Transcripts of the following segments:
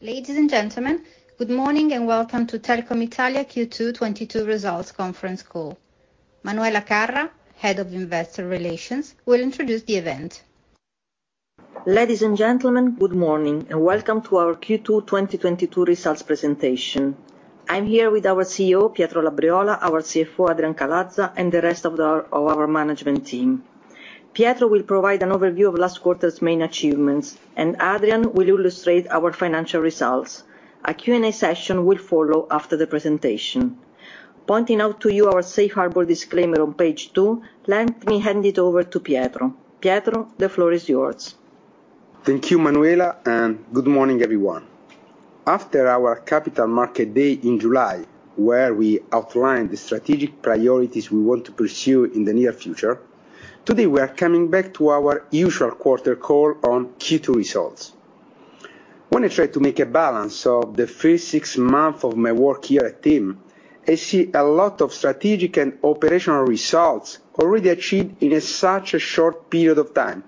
Ladies and gentlemen, good morning and welcome to Telecom Italia Q2 2022 results conference call. Manuela Carra, Head of Investor Relations, will introduce the event. Ladies and gentlemen, good morning, and welcome to our Q2 2022 results presentation. I'm here with our CEO, Pietro Labriola, our CFO, Adrian Calaza, and the rest of our management team. Pietro will provide an overview of last quarter's main achievements, and Adrian will illustrate our financial results. A Q&A session will follow after the presentation. Pointing out to you our safe harbor disclaimer on page two, let me hand it over to Pietro. Pietro, the floor is yours. Thank you, Manuela, and good morning, everyone. After our Capital Markets Day in July, where we outlined the strategic priorities we want to pursue in the near future, today we are coming back to our usual quarterly call on Q2 results. When I try to make a balance of the first six months of my work here at TIM, I see a lot of strategic and operational results already achieved in such a short period of time.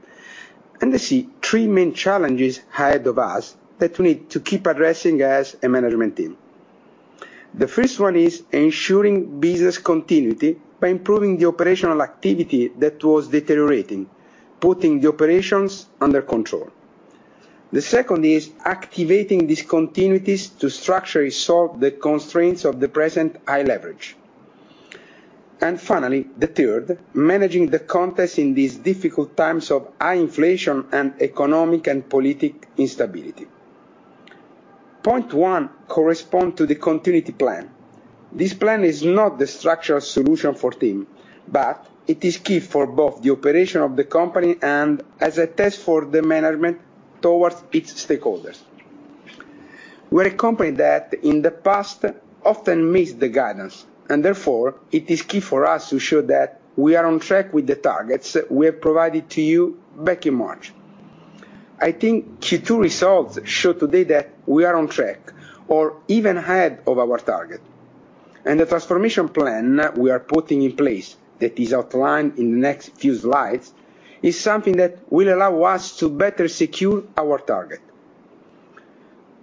I see three main challenges ahead of us that we need to keep addressing as a management team. The first one is ensuring business continuity by improving the operational activity that was deteriorating, putting the operations under control. The second is activating discontinuities to structurally solve the constraints of the present high leverage. Finally, the third, managing the context in these difficult times of high inflation and economic and political instability. Point one correspond to the continuity plan. This plan is not the structural solution for TIM, but it is key for both the operation of the company and as a test for the management towards its stakeholders. We're a company that, in the past, often missed the guidance, and therefore, it is key for us to show that we are on track with the targets we have provided to you back in March. I think Q2 results show today that we are on track or even ahead of our target. The transformation plan we are putting in place, that is outlined in the next few slides, is something that will allow us to better secure our target.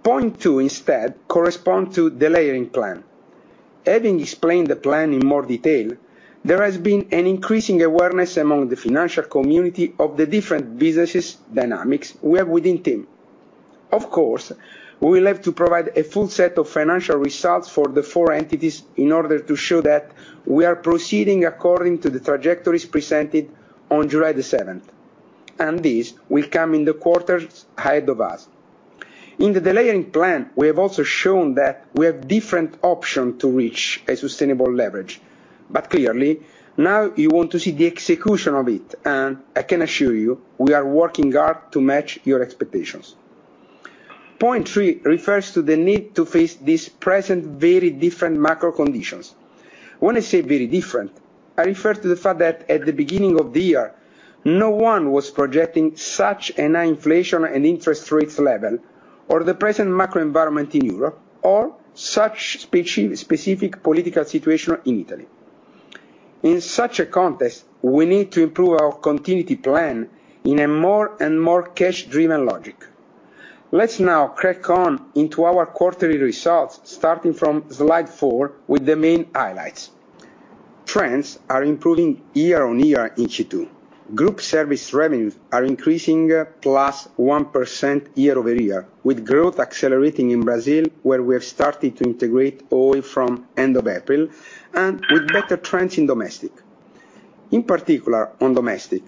Point two instead correspond to the layering plan. Having explained the plan in more detail, there has been an increasing awareness among the financial community of the different businesses dynamics we have within TIM. Of course, we will have to provide a full set of financial results for the four entities in order to show that we are proceeding according to the trajectories presented on July 7th, and this will come in the quarters ahead of us. In the layering plan, we have also shown that we have different option to reach a sustainable leverage. Clearly, now you want to see the execution of it, and I can assure you, we are working hard to match your expectations. Point three refers to the need to face these present very different macro conditions. When I say very different, I refer to the fact that at the beginning of the year, no one was projecting such an inflation and interest rates level or the present macro environment in Europe or such specific political situation in Italy. In such a context, we need to improve our continuity plan in a more and more cash-driven logic. Let's now crack on into our quarterly results, starting from slide 4 with the main highlights. Trends are improving year-on-year in Q2. Group service revenues are increasing plus 1% year-over-year, with growth accelerating in Brazil, where we have started to integrate Oi from end of April, and with better trends in domestic. In particular, on domestic,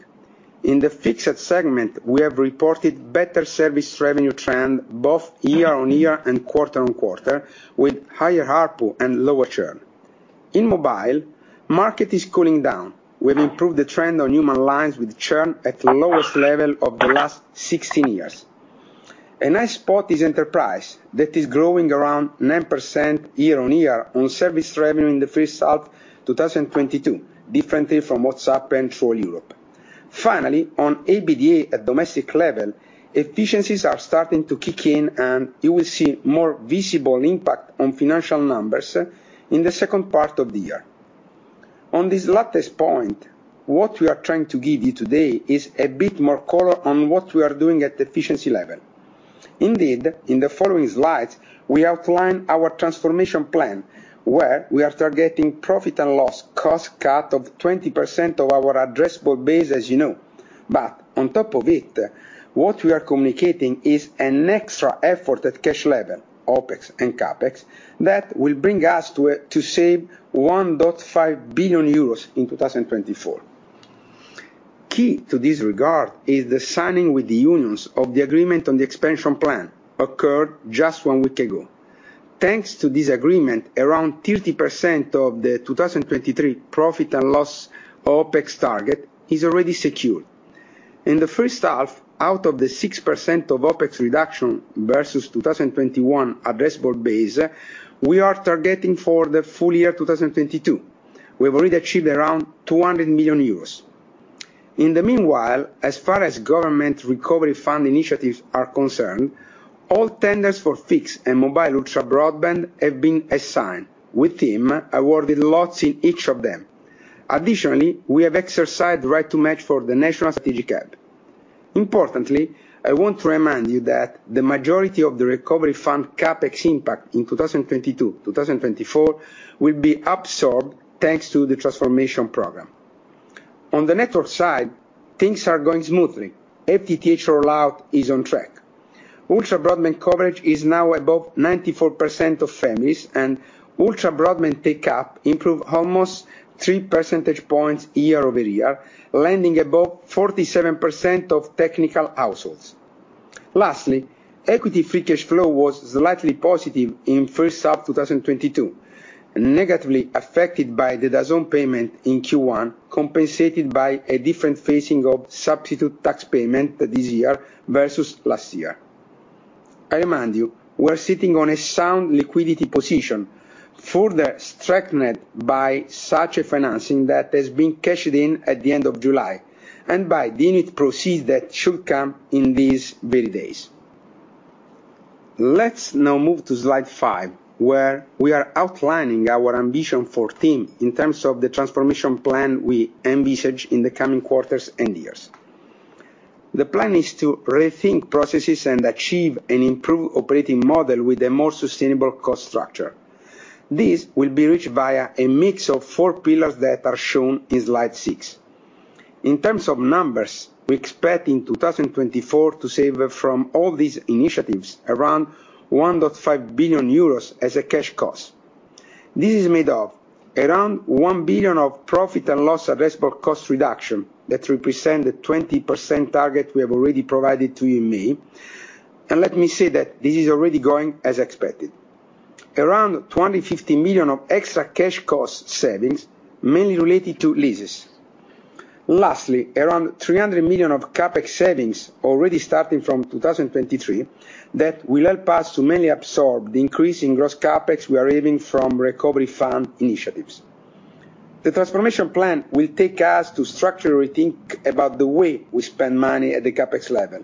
in the fixed segment, we have reported better service revenue trend both year-on-year and quarter-on-quarter, with higher ARPU and lower churn. In mobile, market is cooling down. We've improved the trend on mobile lines with churn at the lowest level of the last 16 years. A nice spot is enterprise that is growing around 9% year-over-year on service revenue in the first half 2022, differently from what's happened through all Europe. Finally, on EBITDA at domestic level, efficiencies are starting to kick in, and you will see more visible impact on financial numbers in the second part of the year. On this latest point, what we are trying to give you today is a bit more color on what we are doing at efficiency level. Indeed, in the following slides, we outline our transformation plan, where we are targeting profit and loss cost cut of 20% of our addressable base, as you know. On top of it, what we are communicating is an extra effort at cash level, OpEx and CapEx, that will bring us to save 1.5 billion euros in 2024. Key to this regard is the signing with the unions of the agreement on the expansion plan occurred just one week ago. Thanks to this agreement, around 30% of the 2023 profit and loss OpEx target is already secure. In the first half, out of the 6% of OpEx reduction versus 2021 addressable base, we are targeting for the full year 2022. We've already achieved around 200 million euros. In the meanwhile, as far as government recovery fund initiatives are concerned, all tenders for fixed and mobile ultra broadband have been assigned, with TIM awarded lots in each of them. Additionally, we have exercised right to match for the National Strategic Hub. Importantly, I want to remind you that the majority of the recovery fund CapEx impact in 2022, 2024, will be absorbed thanks to the transformation program. On the network side, things are going smoothly. FTTH rollout is on track. Ultra broadband coverage is now above 94% of families, and ultra broadband take-up improved almost 3 percentage points year-over-year, landing above 47% of technical households. Lastly, equity free cash flow was slightly positive in first half 2022, negatively affected by the DAZN payment in Q1, compensated by a different phasing of substitute tax payment this year versus last year. I remind you, we're sitting on a sound liquidity position, further strengthened by such a financing that has been cashed in at the end of July, and by the bond proceeds that should come in these very days. Let's now move to slide 5, where we are outlining our ambition for TIM in terms of the transformation plan we envisage in the coming quarters and years. The plan is to rethink processes and achieve an improved operating model with a more sustainable cost structure. This will be reached via a mix of 4 pillars that are shown in slide 6. In terms of numbers, we expect in 2024 to save from all these initiatives around 1.5 billion euros as a cash cost. This is made of around 1 billion of profit and loss addressable cost reduction that represent the 20% target we have already provided to you in May. Let me say that this is already going as expected. Around 20 million-50 million of extra cash cost savings, mainly related to leases. Lastly, around 300 million of CapEx savings already starting from 2023 that will help us to mainly absorb the increase in gross CapEx we are having from recovery fund initiatives. The transformation plan will take us to structurally think about the way we spend money at the CapEx level.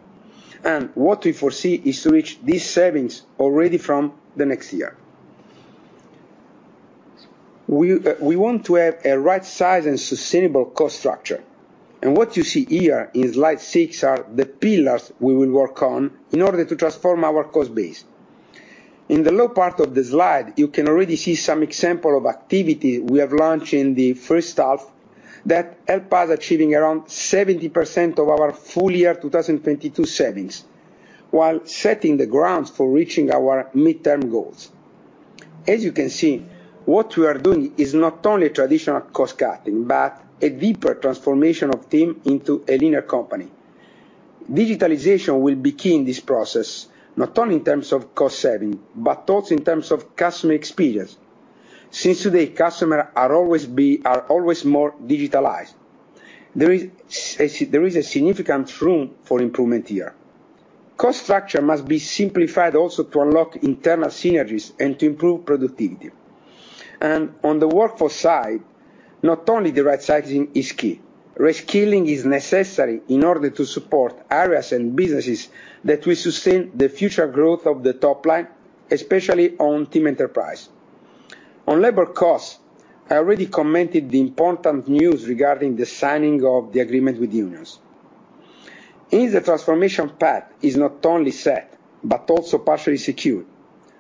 What we foresee is to reach these savings already from the next year. We want to have a right size and sustainable cost structure. What you see here in slide 6 are the pillars we will work on in order to transform our cost base. In the lower part of the slide, you can already see some example of activity we have launched in the first half that help us achieving around 70% of our full year 2022 savings, while setting the grounds for reaching our midterm goals. As you can see, what we are doing is not only traditional cost-cutting, but a deeper transformation of TIM into a leaner company. Digitalization will be key in this process, not only in terms of cost saving, but also in terms of customer experience. Since today customer are always more digitalized, there is a significant room for improvement here. Cost structure must be simplified also to unlock internal synergies and to improve productivity. On the workforce side, not only the right sizing is key. Reskilling is necessary in order to support areas and businesses that will sustain the future growth of the top line, especially on TIM Enterprise. On labor costs, I already commented the important news regarding the signing of the agreement with unions. In the transformation path is not only set, but also partially secured.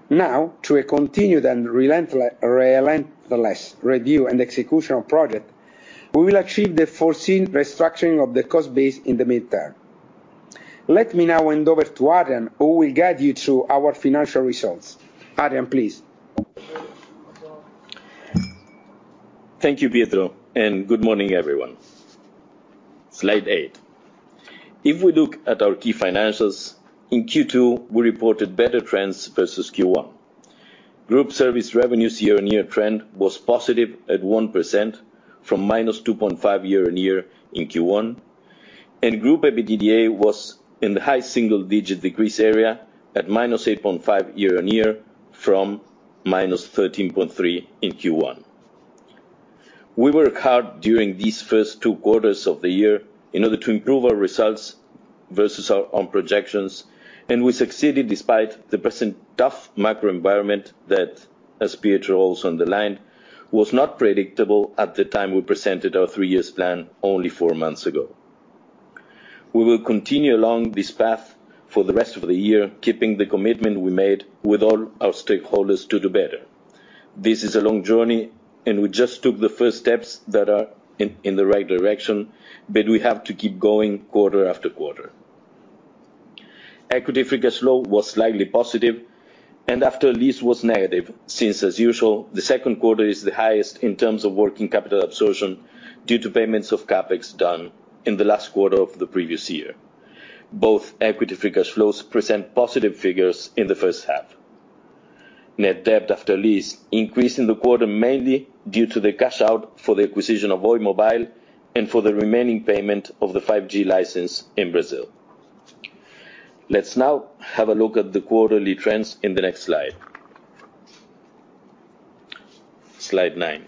Now, through a continued and relentless review and execution of project, we will achieve the foreseen restructuring of the cost base in the midterm. Let me now hand over to Adrian, who will guide you through our financial results. Adrian, please. Thank you, Pietro, and good morning, everyone. Slide 8. If we look at our key financials, in Q2, we reported better trends versus Q1. Group service revenues year-on-year trend was positive at 1% from -2.5% year-on-year in Q1. Group EBITDA was in the high single-digit decrease area at -8.5% year-on-year from -13.3% in Q1. We work hard during these first two quarters of the year in order to improve our results versus our own projections, and we succeeded despite the present tough macro environment that, as Pietro also underlined, was not predictable at the time we presented our three-year plan only four months ago. We will continue along this path for the rest of the year, keeping the commitment we made with all our stakeholders to do better. This is a long journey, and we just took the first steps that are in the right direction, but we have to keep going quarter after quarter. Equity free cash flow was slightly positive, and after lease was negative, since as usual, the Q2 is the highest in terms of working capital absorption due to payments of CapEx done in the last quarter of the previous year. Both equity free cash flows present positive figures in the first half. Net debt after lease increased in the quarter mainly due to the cash out for the acquisition of Oi Móvel and for the remaining payment of the 5G license in Brazil. Let's now have a look at the quarterly trends in the next slide. Slide 9.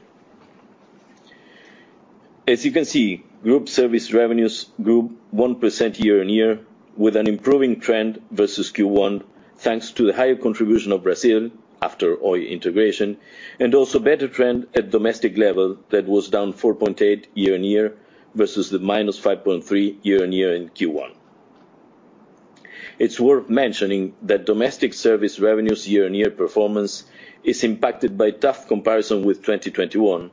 As you can see, group service revenues grew 1% year-on-year with an improving trend versus Q1, thanks to the higher contribution of Brazil after Oi integration, and also better trend at domestic level that was down 4.8% year-on-year, versus the -5.3% year-on-year in Q1. It's worth mentioning that domestic service revenues year-on-year performance is impacted by tough comparison with 2021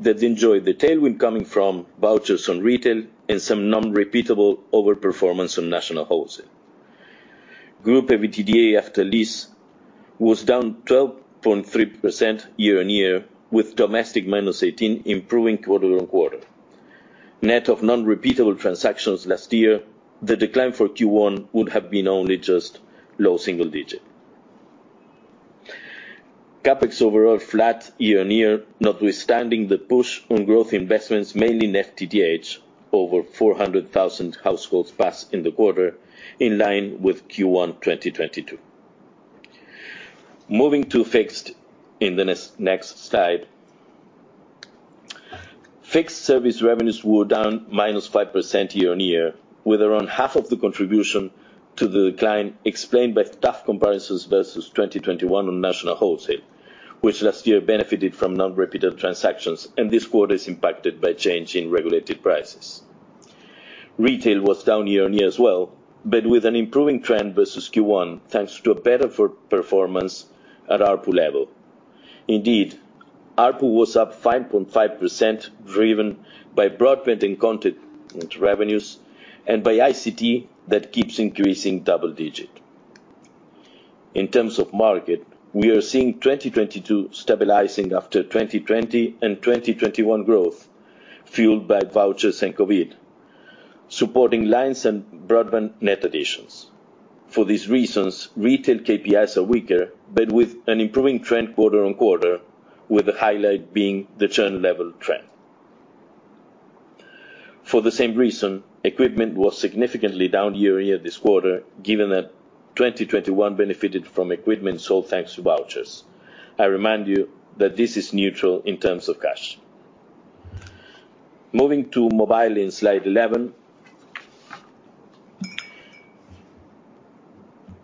that enjoyed the tailwind coming from vouchers on retail and some non-repeatable overperformance on national wholesale. Group EBITDA after lease was down 12.3% year-on-year, with domestic -18% improving quarter-on-quarter. Net of non-repeatable transactions last year, the decline for Q1 would have been only just low single digit. CapEx overall flat year-on-year, notwithstanding the push on growth investments, mainly in FTTH, over 400,000 households passed in the quarter, in line with Q1 2022. Moving to fixed in the next slide. Fixed service revenues were down -5% year-on-year, with around half of the contribution to the decline explained by tough comparisons versus 2021 on national wholesale, which last year benefited from non-repeated transactions and this quarter is impacted by change in regulated prices. Retail was down year-on-year as well, but with an improving trend versus Q1, thanks to a better performance at ARPU level. Indeed, ARPU was up 5.5%, driven by broadband and content revenues and by ICT that keeps increasing double-digit. In terms of market, we are seeing 2022 stabilizing after 2020 and 2021 growth fueled by vouchers and COVID, supporting lines and broadband net additions. For these reasons, retail KPIs are weaker, but with an improving trend quarter-on-quarter, with the highlight being the churn level trend. For the same reason, equipment was significantly down year-on-year this quarter, given that 2021 benefited from equipment sold thanks to vouchers. I remind you that this is neutral in terms of cash. Moving to mobile in slide 11.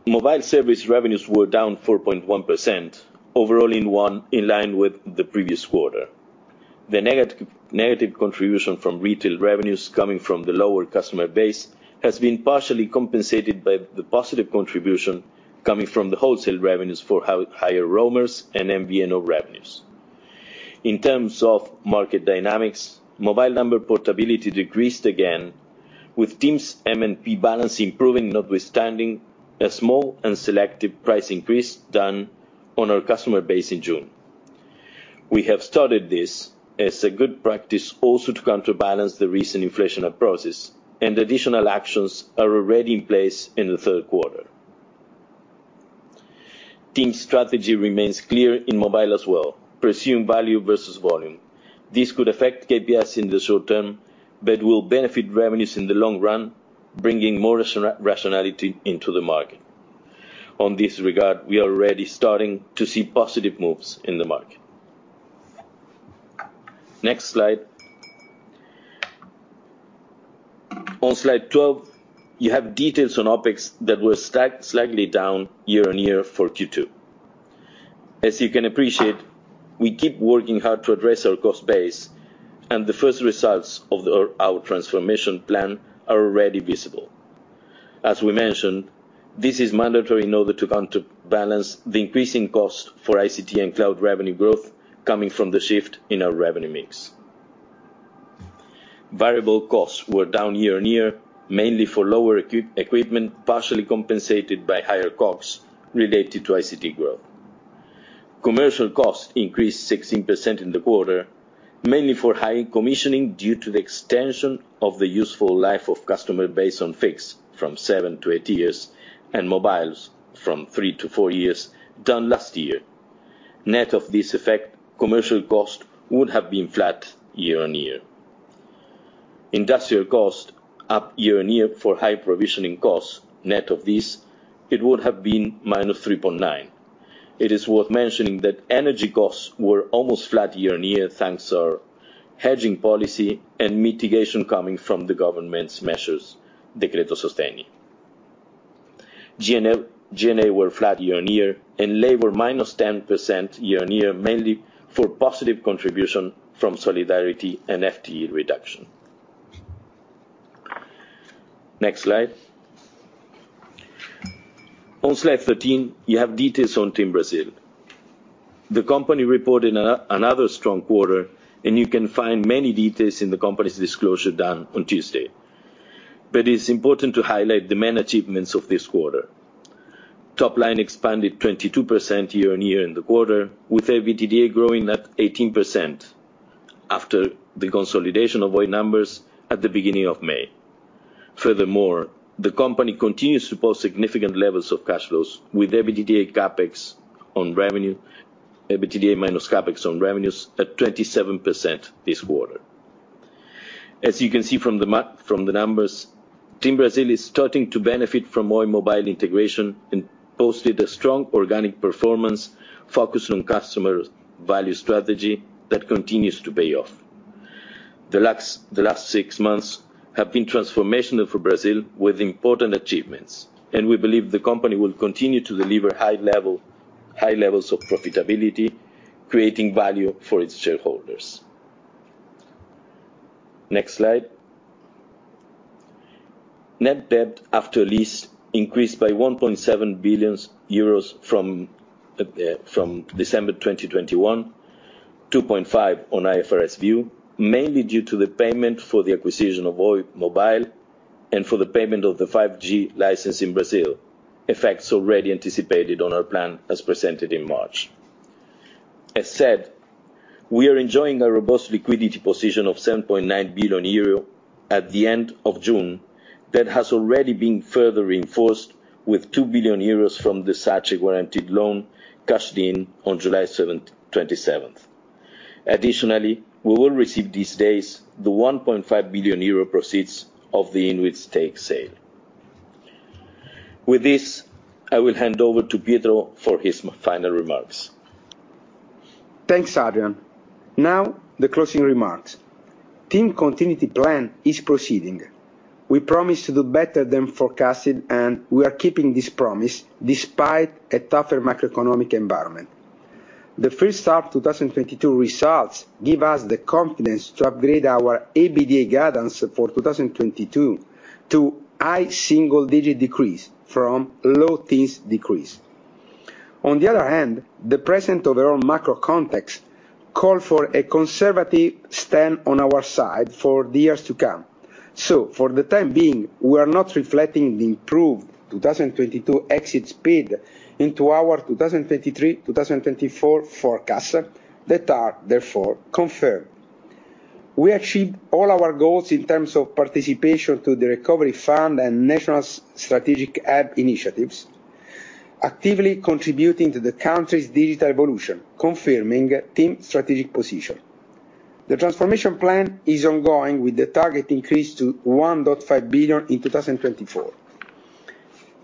Mobile service revenues were down 4.1%, overall in line with the previous quarter. The negative contribution from retail revenues coming from the lower customer base has been partially compensated by the positive contribution coming from the wholesale revenues for higher roamers and MVNO revenues. In terms of market dynamics, mobile number portability decreased again, with TIM's MNP balance improving, notwithstanding a small and selective price increase done on our customer base in June. We have started this as a good practice also to counterbalance the recent inflationary pressures, and additional actions are already in place in the Q3. TIM's strategy remains clear in mobile as well, pursuing value versus volume. This could affect KPIs in the short term, but will benefit revenues in the long run, bringing more rationality into the market. In this regard, we are already starting to see positive moves in the market. Next slide. On slide 12, you have details on OpEx that were down slightly year-on-year for Q2. As you can appreciate, we keep working hard to address our cost base, and the first results of our transformation plan are already visible. As we mentioned, this is mandatory in order to counterbalance the increasing cost for ICT and cloud revenue growth coming from the shift in our revenue mix. Variable costs were down year-on-year, mainly for lower equipment, partially compensated by higher costs related to ICT growth. Commercial costs increased 16% in the quarter, mainly for high commissioning due to the extension of the useful life of customer base on fixed from seven to eight years, and mobiles from three to four years done last year. Net of this effect, commercial cost would have been flat year-on-year. Industrial cost up year-on-year for high provisioning costs. Net of this, it would have been -3.9%. It is worth mentioning that energy costs were almost flat year-on-year, thanks to our hedging policy and mitigation coming from the government's measures, Decreto Sostegni. G&A were flat year-on-year, and labor -10% year-on-year, mainly for positive contribution from solidarity and FTE reduction. Next slide. On slide 13, you have details on TIM Brasil. The company reported another strong quarter, and you can find many details in the company's disclosure done on Tuesday. It's important to highlight the main achievements of this quarter. Top line expanded 22% year-on-year in the quarter, with EBITDA growing at 18% after the consolidation of Oi numbers at the beginning of May. Furthermore, the company continues to post significant levels of cash flows with EBITDA minus CapEx on revenues at 27% this quarter. As you can see from the numbers, TIM Brasil is starting to benefit from more mobile integration and posted a strong organic performance focused on customer value strategy that continues to pay off. The last six months have been transformational for Brazil with important achievements, and we believe the company will continue to deliver high levels of profitability, creating value for its shareholders. Next slide. Net debt after lease increased by 1.7 billion euros from December 2021, 2.5 on IFRS view, mainly due to the payment for the acquisition of Oi Móvel and for the payment of the 5G license in Brazil. Effects already anticipated on our plan as presented in March. We are enjoying a robust liquidity position of 7.9 billion euro at the end of June that has already been further reinforced with 2 billion euros from the SACE warranted loan cashed in on July 7th, 2022. Additionally, we will receive these days the 1.5 billion euro proceeds of the Inwit stake sale. With this, I will hand over to Pietro for his final remarks. Thanks, Adrian. Now, the closing remarks. TIM continuity plan is proceeding. We promise to do better than forecasted, and we are keeping this promise despite a tougher macroeconomic environment. The first half 2022 results give us the confidence to upgrade our EBITDA guidance for 2022 to high single-digit decrease from low-teens decrease. On the other hand, the present overall macro context calls for a conservative stand on our side for the years to come. For the time being, we are not reflecting the improved 2022 exit speed into our 2023, 2024 forecasts that are therefore confirmed. We achieved all our goals in terms of participation to the recovery fund and National Strategic Hub initiatives, actively contributing to the country's digital evolution, confirming TIM strategic position. The transformation plan is ongoing with the target increase to 1.5 billion in 2024.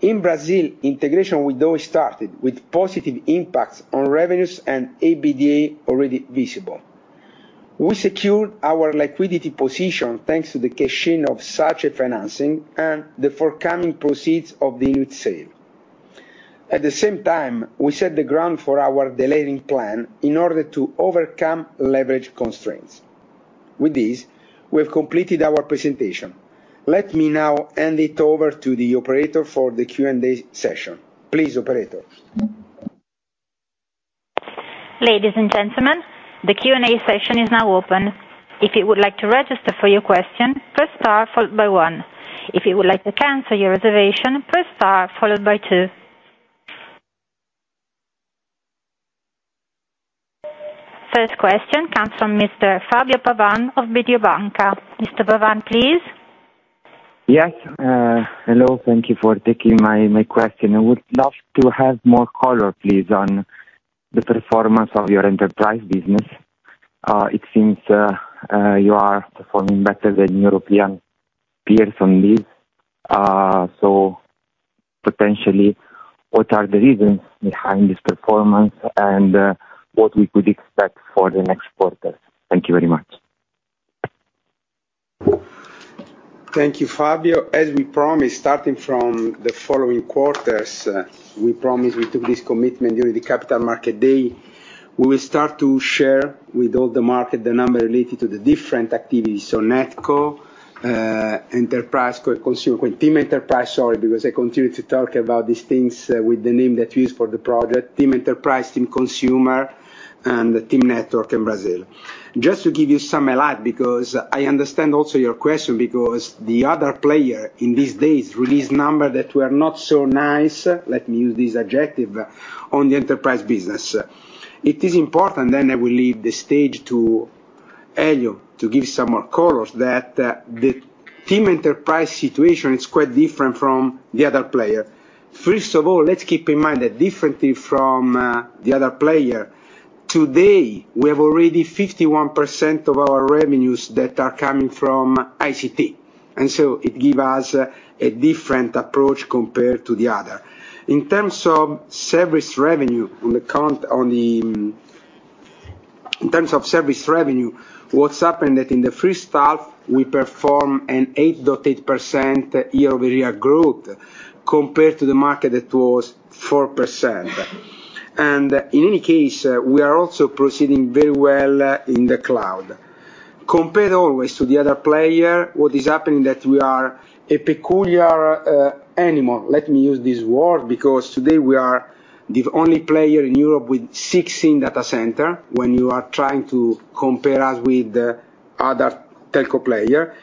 In Brazil, integration with Oi started with positive impacts on revenues and EBITDA already visible. We secured our liquidity position thanks to the cash in of SACE financing and the forthcoming proceeds of the Inwit sale. At the same time, we set the ground for our de-levering plan in order to overcome leverage constraints. With this, we have completed our presentation. Let me now hand it over to the operator for the Q&A session. Please, operator. Ladies and gentlemen, the Q&A session is now open. If you would like to register for your question, press star followed by one. If you would like to cancel your reservation, press star followed by two. First question comes from Mr. Fabio Pavan of Mediobanca. Mr. Pavan, please. Yes, hello. Thank you for taking my question. I would love to have more color, please, on the performance of your enterprise business. It seems you are performing better than European peers on this. Potentially, what are the reasons behind this performance, and what we could expect for the next quarter? Thank you very much. Thank you, Fabio. As we promised, starting from the following quarters, we promised we took this commitment during the capital market day, we will start to share with all the market the number related to the different activities. NetCo, Enterprise, TIM Enterprise, sorry, because I continue to talk about these things, with the name that we use for the project, TIM Enterprise, TIM Consumer, and TIM Brasil. Just to give you some highlight, because I understand also your question because the other player in these days released number that were not so nice, let me use this adjective, on the enterprise business. It is important, I will leave the stage to Elio to give some more colors that, the TIM Enterprise situation is quite different from the other player. First of all, let's keep in mind that differently from the other player, today, we have already 51% of our revenues that are coming from ICT, and so it give us a different approach compared to the other. In terms of service revenue, what's happened that in the first half we perform an 8.8% year-over-year growth compared to the market that was 4%. In any case, we are also proceeding very well in the cloud. Compared always to the other player, what is happening that we are a peculiar animal. Let me use this word because today we are the only player in Europe with 16 data center when you are trying to compare us with the other telco player.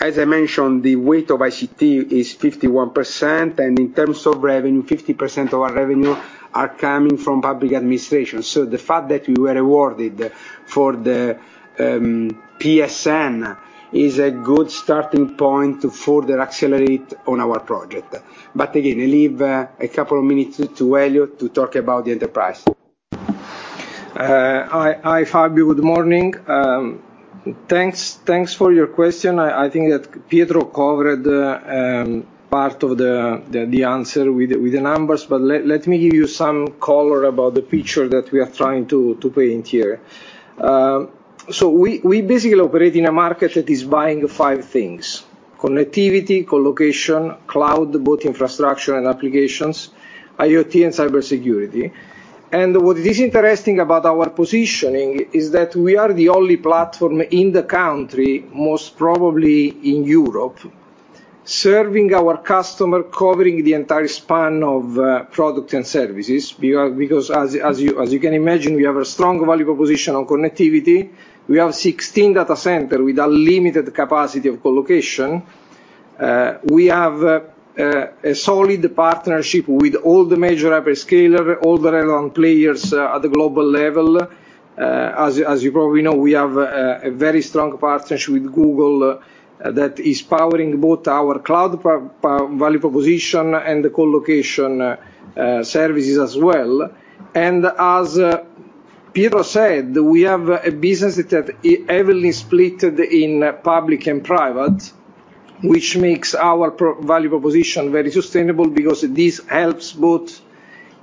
As I mentioned, the weight of ICT is 51%, and in terms of revenue, 50% of our revenue are coming from public administration. The fact that we were awarded for the PSN is a good starting point to further accelerate on our project. Again, I leave a couple of minutes to Elio to talk about the enterprise. Hi Fabio, good morning. Thanks for your question. I think that Pietro covered part of the answer with the numbers. Let me give you some color about the picture that we are trying to paint here. We basically operate in a market that is buying five things, connectivity, co-location, cloud, both infrastructure and applications, IoT and cybersecurity. What is interesting about our positioning is that we are the only platform in the country, most probably in Europe, serving our customer, covering the entire span of products and services. Because as you can imagine, we have a strong value proposition on connectivity. We have 16 data centers with unlimited capacity of co-location. We have a solid partnership with all the major hyperscalers, all the relevant players at the global level. As you probably know, we have a very strong partnership with Google that is powering both our cloud value proposition and the co-location services as well. As Pietro said, we have a business that evenly split in public and private, which makes our value proposition very sustainable because this helps both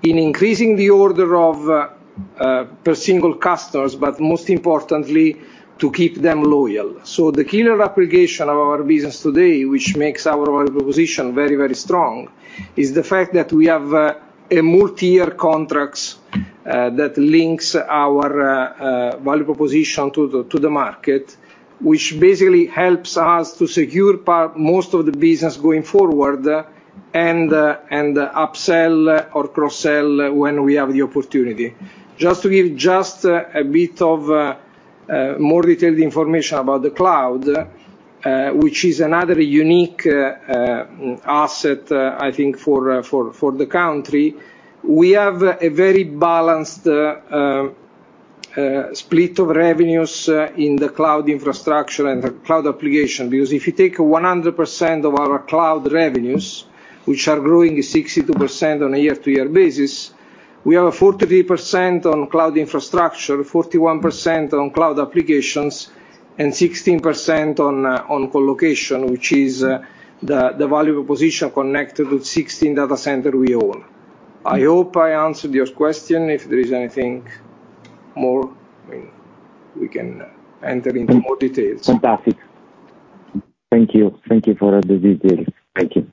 in increasing the order of per single customers, but most importantly, to keep them loyal. The killer application of our business today, which makes our value proposition very, very strong, is the fact that we have a multi-year contracts that links our value proposition to the market, which basically helps us to secure most of the business going forward, and upsell or cross-sell when we have the opportunity. Just to give a bit of more detailed information about the cloud, which is another unique asset, I think for the country, we have a very balanced split of revenues in the cloud infrastructure and the cloud application. Because if you take 100% of our cloud revenues, which are growing 62% on a year-over-year basis, we have a 43% on cloud infrastructure, 41% on cloud applications, and 16% on co-location, which is the value proposition connected with 16 data centers we own. I hope I answered your question. If there is anything more, I mean, we can enter into more details. Fantastic. Thank you. Thank you for all the details. Thank you.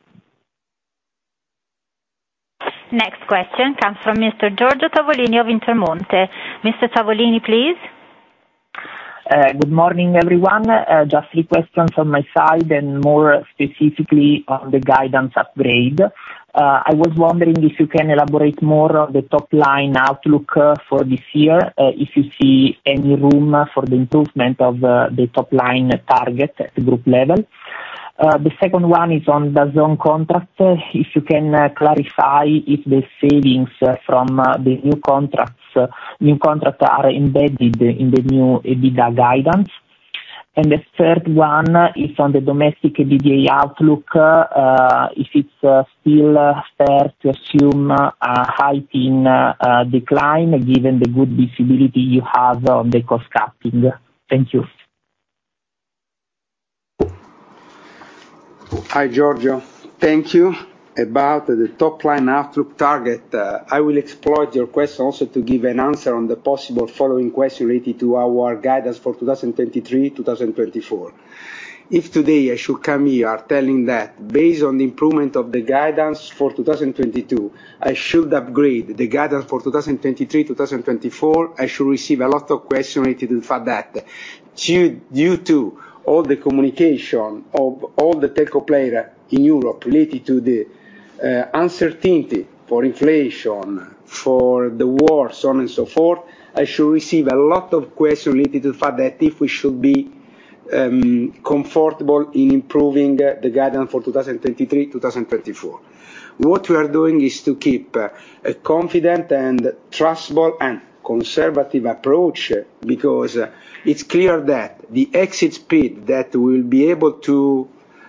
Next question comes from Mr. Giorgio Tavolini of Intermonte. Mr. Tavolini, please. Good morning, everyone. Just three questions on my side, and more specifically on the guidance upgrade. I was wondering if you can elaborate more on the top line outlook for this year, if you see any room for the improvement of, the top line target at the group level. The second one is on the DAZN contract, if you can clarify if the savings from, the new contracts, new contract are embedded in the new EBITDA guidance. The third one is on the domestic EBITDA outlook, if it's still fair to assume a heightened decline given the good visibility you have on the cost-cutting. Thank you. Hi, Giorgio. Thank you. About the top line outlook target, I will exploit your question also to give an answer on the possible following question related to our guidance for 2023, 2024. If today I should come here telling that based on the improvement of the guidance for 2022, I should upgrade the guidance for 2023, 2024, I should receive a lot of question related to the fact that due to all the communication of all the telco player in Europe related to the uncertainty for inflation, for the war, so on and so forth, I should receive a lot of questions related to the fact that if we should be comfortable in improving the guidance for 2023, 2024. What we are doing is to keep a confident and trustable and conservative approach, because it's clear that the exit speed that we'll be able to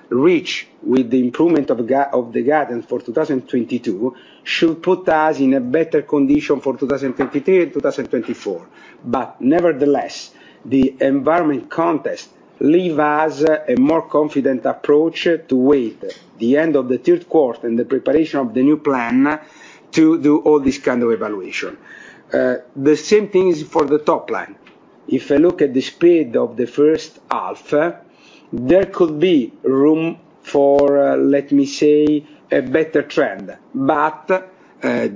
reach with the improvement of the guidance for 2022 should put us in a better condition for 2023 and 2024. Nevertheless, the environmental context leaves us a more confident approach to wait the end of the Q3 and the preparation of the new plan to do all this kind of evaluation. The same thing is for the top line. If I look at the speed of the first half, there could be room for, let me say, a better trend.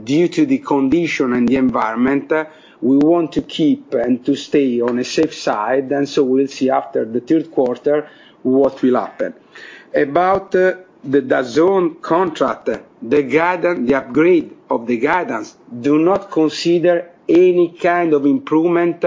Due to the condition and the environment, we want to keep and to stay on a safe side, and so we'll see after the Q3 what will happen. About the DAZN contract, the guidance, the upgrade of the guidance do not consider any kind of improvement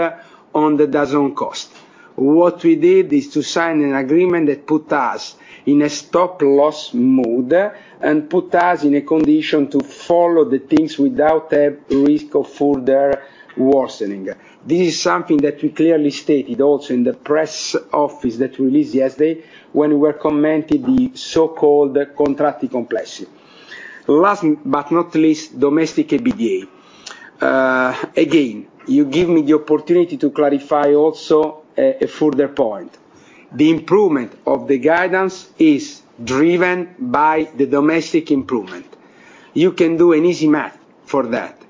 on the DAZN cost. What we did is to sign an agreement that put us in a stop-loss mode, and put us in a condition to follow the things without a risk of further worsening. This is something that we clearly stated also in the press release that we released yesterday when we were commenting the so-called contract complexity. Last but not least, domestic EBITDA. Again, you give me the opportunity to clarify also a further point. The improvement of the guidance is driven by the domestic improvement. You can do an easy math for that.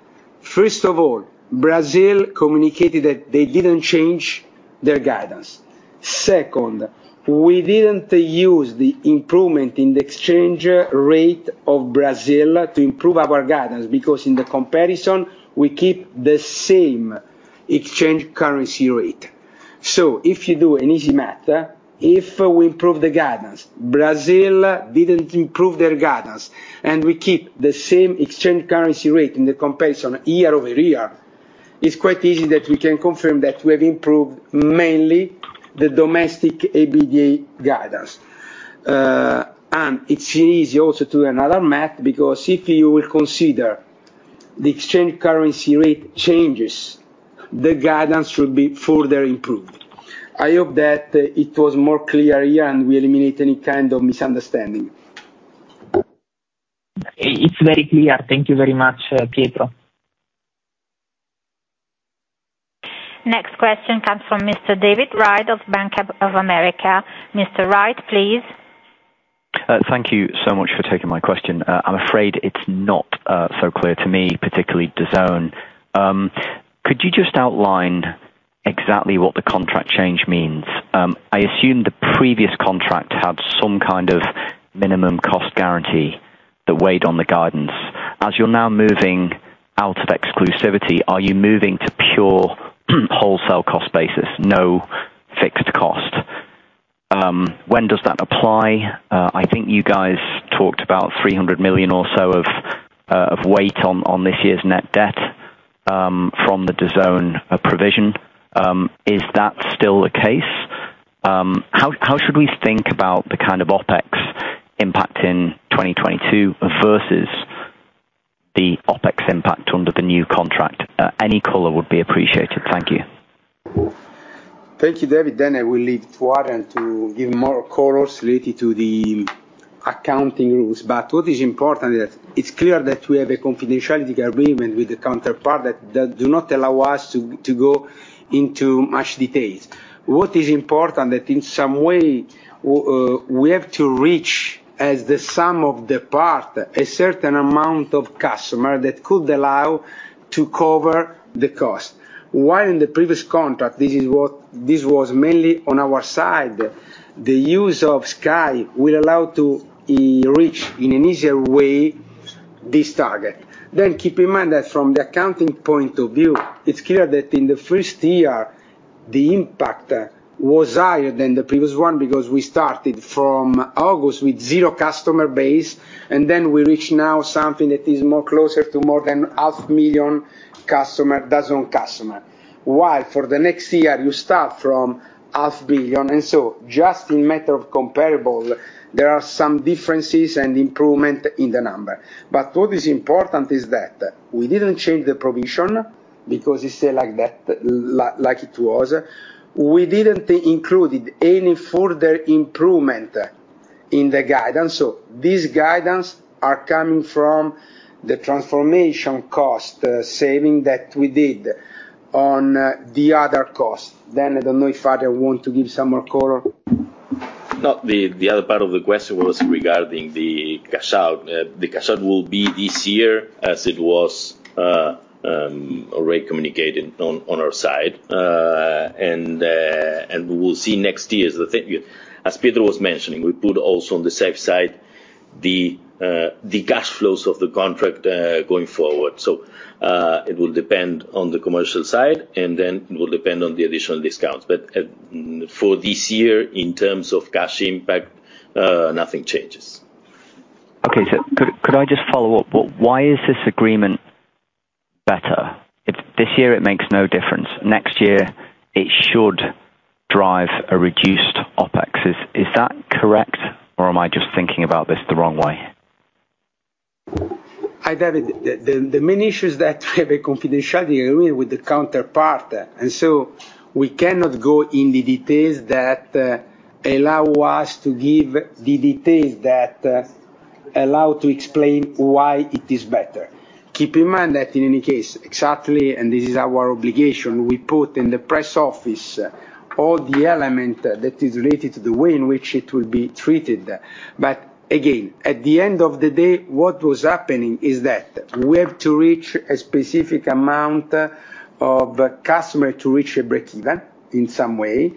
First of all, Brazil communicated that they didn't change their guidance. Second, we didn't use the improvement in the exchange rate of Brazil to improve our guidance because in the comparison, we keep the same exchange currency rate. If you do an easy math, if we improve the guidance, Brazil didn't improve their guidance, and we keep the same exchange currency rate in the comparison year-over-year, it's quite easy that we can confirm that we have improved mainly the domestic EBITDA guidance. It's easy also to another math because if you will consider the exchange currency rate changes, the guidance should be further improved. I hope that it was more clear here, and we eliminate any kind of misunderstanding. It's very clear. Thank you very much, Pietro. Next question comes from Mr. David Wright of Bank of America. Mr. Wright, please. Thank you so much for taking my question. I'm afraid it's not so clear to me, particularly DAZN. Could you just outline exactly what the contract change means? I assume the previous contract had some kind of minimum cost guarantee that weighed on the guidance. As you're now moving out of exclusivity, are you moving to pure wholesale cost basis, no fixed cost? When does that apply? I think you guys talked about 300 million or so of weight on this year's net debt from the DAZN provision. Is that still the case? How should we think about the kind of OpEx impact in 2022 versus the OpEx impact under the new contract? Any color would be appreciated. Thank you. Thank you, David. I will leave to Adrian Calaza to give more colors related to the accounting rules. What is important that it's clear that we have a confidentiality agreement with the counterpart that do not allow us to go into much details. What is important that in some way we have to reach as the sum of the part, a certain amount of customer that could allow to cover the cost. While in the previous contract, this was mainly on our side, the use of Sky will allow to reach in an easier way this target. Keep in mind that from the accounting point of view, it's clear that in the first year, the impact was higher than the previous one, because we started from August with zero customer base, and then we reach now something that is more closer to more than half million customer, DAZN customer. While for the next year, you start from half billion. Just in matter of comparable, there are some differences and improvement in the number. What is important is that we didn't change the provision because it's still like that, like it was. We didn't included any further improvement in the guidance. This guidance are coming from the transformation cost saving that we did on the other cost. I don't know if Adrian Calaza want to give some more color. No, the other part of the question was regarding the cash out. The cash out will be this year as it was already communicated on our side. We will see next year. As Pietro was mentioning, we put also on the safe side the cash flows of the contract going forward. It will depend on the commercial side, and then it will depend on the additional discounts. For this year, in terms of cash impact, nothing changes. Okay. Could I just follow up? Why is this agreement better? If this year it makes no difference, next year it should drive a reduced OpEx. Is that correct, or am I just thinking about this the wrong way? Hi, David. The main issue is that we have a confidentiality agreement with the counterpart, and so we cannot go into the details that allow us to explain why it is better. Keep in mind that in any case, exactly, and this is our obligation, we put in the press office all the element that is related to the way in which it will be treated. Again, at the end of the day, what was happening is that we have to reach a specific amount of customer to reach a break-even in some way.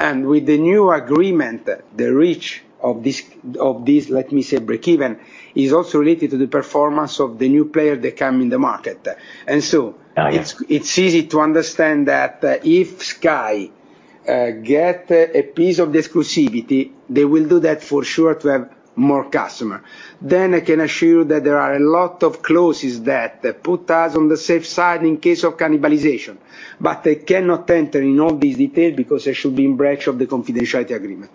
With the new agreement, the reach of this, let me say break-even, is also related to the performance of the new player that come in the market. Oh, yeah. It's easy to understand that if Sky get a piece of the exclusivity, they will do that for sure to have more customer. I can assure you that there are a lot of clauses that put us on the safe side in case of cannibalization. I cannot enter in all these details because I should be in breach of the confidentiality agreement.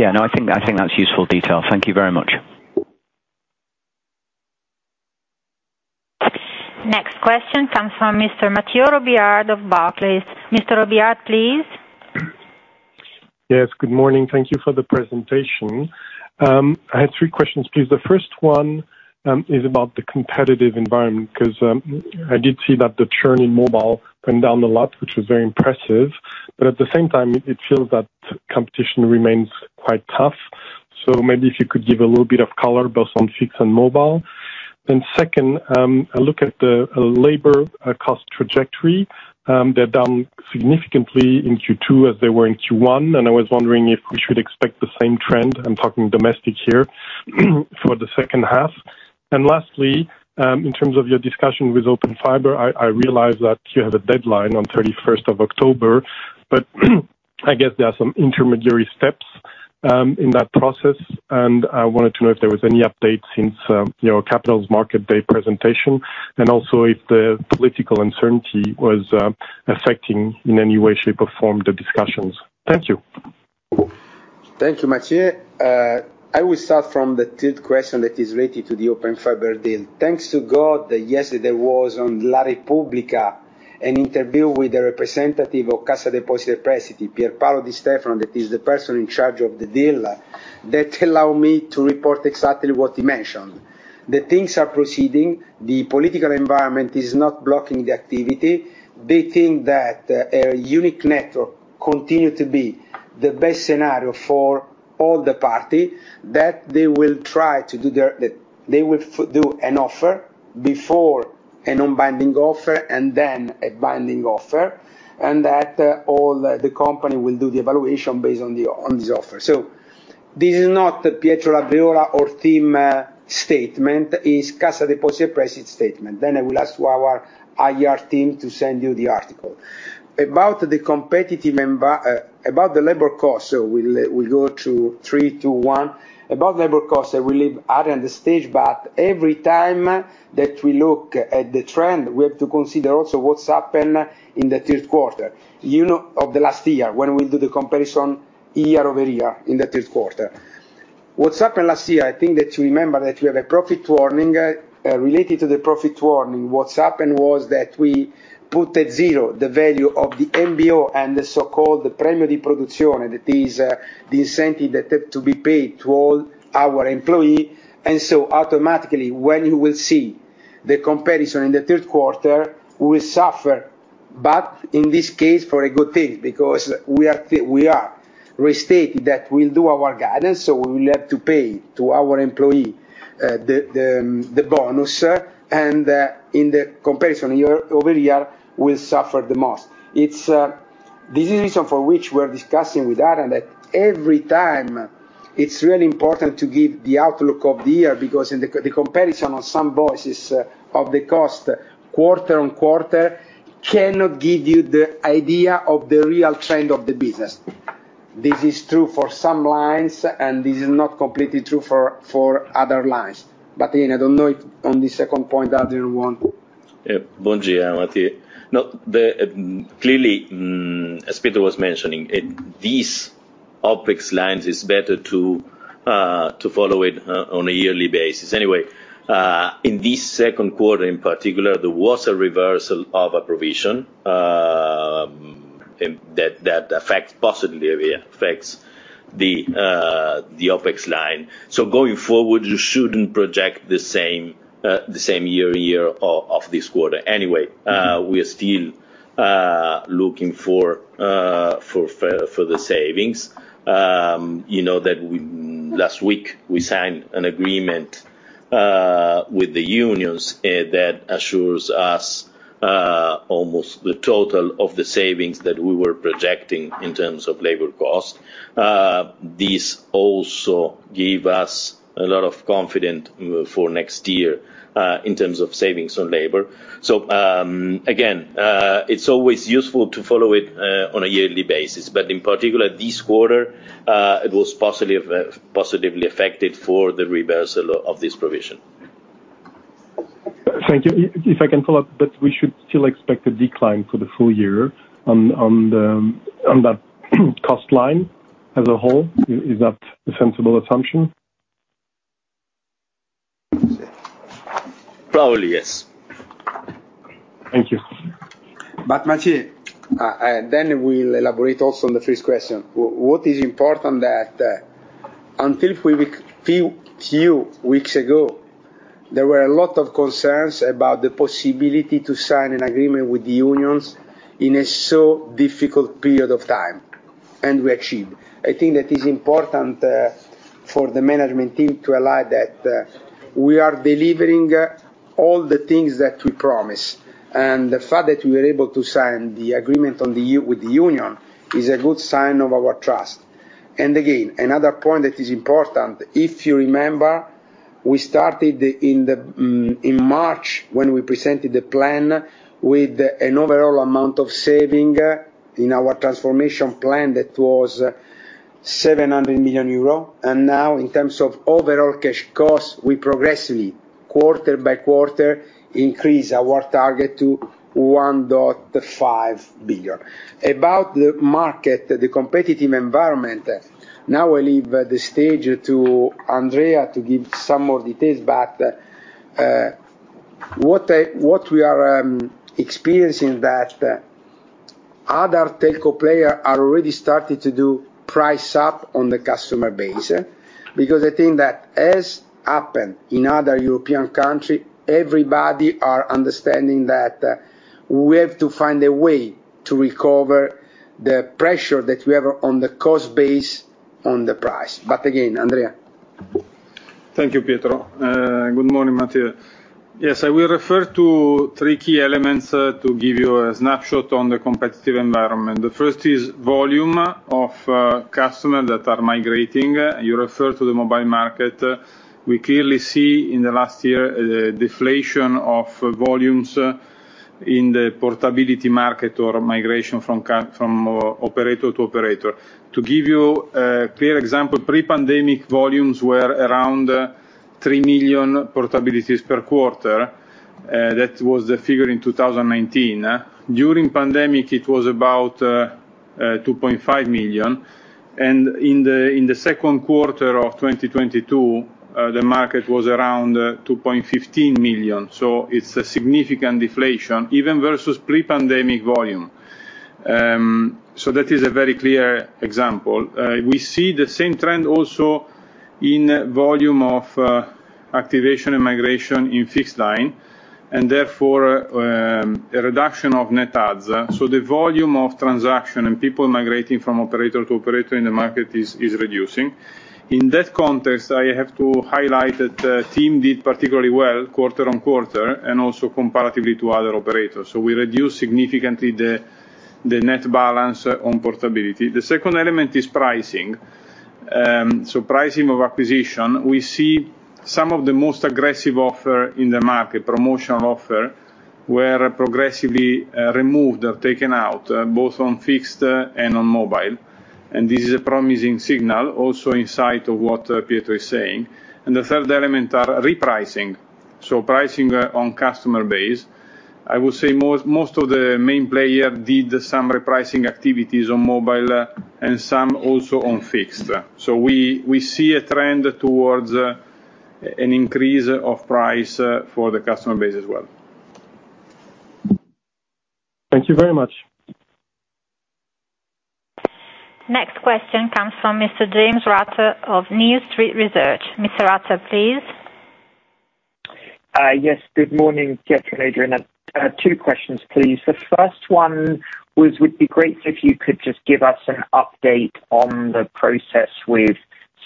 Yeah. No, I think that's useful detail. Thank you very much. Next question comes from Mr. Mathieu Robilliard of Barclays. Mr. Robilliard, please. Yes. Good morning. Thank you for the presentation. I had three questions, please. The first one is about the competitive environment, 'cause I did see that the churn in mobile went down a lot, which was very impressive. At the same time, it feels that competition remains quite tough. Maybe if you could give a little bit of color both on fixed and mobile. Second, a look at the labor cost trajectory, they're down significantly in Q2 as they were in Q1, and I was wondering if we should expect the same trend, I'm talking domestic here, for the H2. Lastly, in terms of your discussion with Open Fiber, I realize that you have a deadline on thirty-first of October, but I guess there are some intermediary steps in that process, and I wanted to know if there was any update since your Capital Markets Day presentation, and also if the political uncertainty was affecting in any way, shape, or form the discussions. Thank you. Thank you, Matthew. I will start from the third question that is related to the Open Fiber deal. Thank God that yesterday was on La Repubblica, an interview with the representative of Cassa Depositi e Prestiti, Pierpaolo Di Stefano, that is the person in charge of the deal, that allows me to report exactly what he mentioned. The things are proceeding. The political environment is not blocking the activity. They think that a unique network continues to be the best scenario for all the parties, they will do a non-binding offer and then a binding offer, and that all the companies will do the evaluation based on this offer. This is not Pietro Labriola or team statement. It's Cassa Depositi e Prestiti statement. I will ask our IR team to send you the article. About the labor cost, we'll go to three, two, one. About labor cost, we leave Adrian Calaza the stage, but every time that we look at the trend, we have to consider also what's happened in the Q3, you know, of the last year when we do the comparison year-over-year in the Q3. What's happened last year, I think that you remember that we had a profit warning. Related to the profit warning, what's happened was that we put at zero the value of the MBO and the so-called premio di produzione, that is, the incentive that had to be paid to all our employee. Automatically, when you will see the comparison in the Q3, we suffer, but in this case for a good thing because we are restating that we'll do our guidance, so we will have to pay to our employee the bonus, and in the comparison year-over-year will suffer the most. This is reason for which we're discussing with Adrian Calaza that every time it's really important to give the outlook of the year because the comparison on some items of the cost quarter-on-quarter cannot give you the idea of the real trend of the business. This is true for some lines, and this is not completely true for other lines. Again, I don't know if on the second point, Adrian Calaza want. Yeah. Buongiorno to you. No, clearly, as Pietro was mentioning, these OpEx lines is better to follow it on a yearly basis. Anyway, in this Q2, in particular, there was a reversal of a provision in that that affects positively the OpEx line. Going forward, you shouldn't project the same year to year of this quarter. Anyway, we are still looking for further savings. You know that last week we signed an agreement with the unions that assures us almost the total of the savings that we were projecting in terms of labor cost. This also give us a lot of confidence for next year in terms of savings on labor. It's always useful to follow it on a yearly basis. In particular, this quarter, it was positively affected for the reversal of this provision. Thank you. If I can follow up, but we should still expect a decline for the full year on that cost line as a whole. Is that a sensible assumption? Probably, yes. Thank you. Matthew, then we'll elaborate also on the first question. What is important that, until few weeks ago, there were a lot of concerns about the possibility to sign an agreement with the unions in a so difficult period of time, and we achieved. I think that is important, for the management team to align that, we are delivering, all the things that we promised. The fact that we were able to sign the agreement with the union is a good sign of our trust. Again, another point that is important, if you remember, we started in March when we presented the plan with an overall amount of saving, in our transformation plan that was 700 million euro. In terms of overall cash costs, we progressively, quarter by quarter, increase our target to 1.5 billion. About the market, the competitive environment, now I leave the stage to Andrea to give some more details, but what we are experiencing that other telco players are already starting to do price ups on the customer base. Because I think that as happened in other European countries, everybody are understanding that we have to find a way to recover the pressure that we have on the cost base on the price. But again, Andrea? Thank you, Pietro. Good morning, Mathieu. Yes, I will refer to three key elements to give you a snapshot on the competitive environment. The first is volume of customer that are migrating. You refer to the mobile market. We clearly see in the last year a deflation of volumes in the portability market or migration from from operator to operator. To give you a clear example, pre-pandemic volumes were around 3 million portabilities per quarter. That was the figure in 2019. During pandemic, it was about two point five million. In the Q2 of 2022, the market was around 2.15 million. It's a significant deflation, even versus pre-pandemic volume. That is a very clear example. We see the same trend also in volume of activation and migration in fixed line, and therefore a reduction of net adds. The volume of transaction and people migrating from operator to operator in the market is reducing. In that context, I have to highlight that the team did particularly well quarter-on-quarter and also comparatively to other operators. We reduced significantly the net balance on portability. The second element is pricing. Pricing of acquisition, we see some of the most aggressive offer in the market, promotional offer, were progressively removed or taken out both on fixed and on mobile. This is a promising signal also inside of what Pietro is saying. The third element are repricing, so pricing on customer base. I would say most of the main player did some repricing activities on mobile and some also on fixed. We see a trend towards an increase of price for the customer base as well. Thank you very much. Next question comes from Mr. James Ratzer of New Street Research. Mr. Ratzer, please. Yes. Good morning, Pietro and Adrian. Two questions, please. The first one was, would be great if you could just give us an update on the process with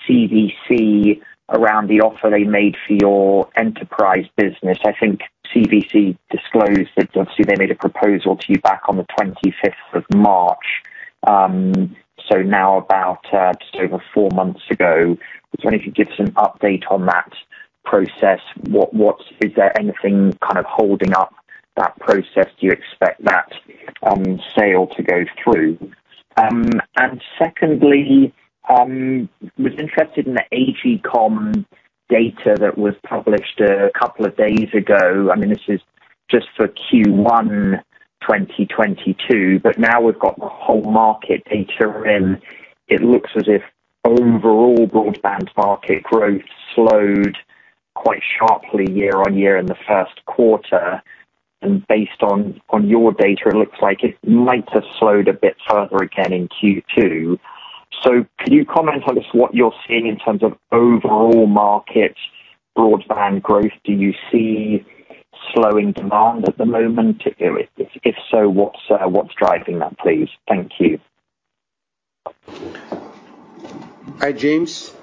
CVC around the offer they made for your enterprise business. I think CVC disclosed that obviously they made a proposal to you back on the 25th of March. Now about just over four months ago. Was wondering if you give us an update on that process. Is there anything kind of holding up that process? Do you expect that sale to go through? Secondly, was interested in the AGCOM data that was published a couple of days ago. I mean, this is just for Q1 2022, but now we've got the whole market data in. It looks as if overall broadband market growth slowed quite sharply year on year in the Q1. Based on your data, it looks like it might have slowed a bit further again in Q2. Could you comment on just what you're seeing in terms of overall market broadband growth? Do you see slowing demand at the moment? If so, what's driving that, please? Thank you. Hi, James.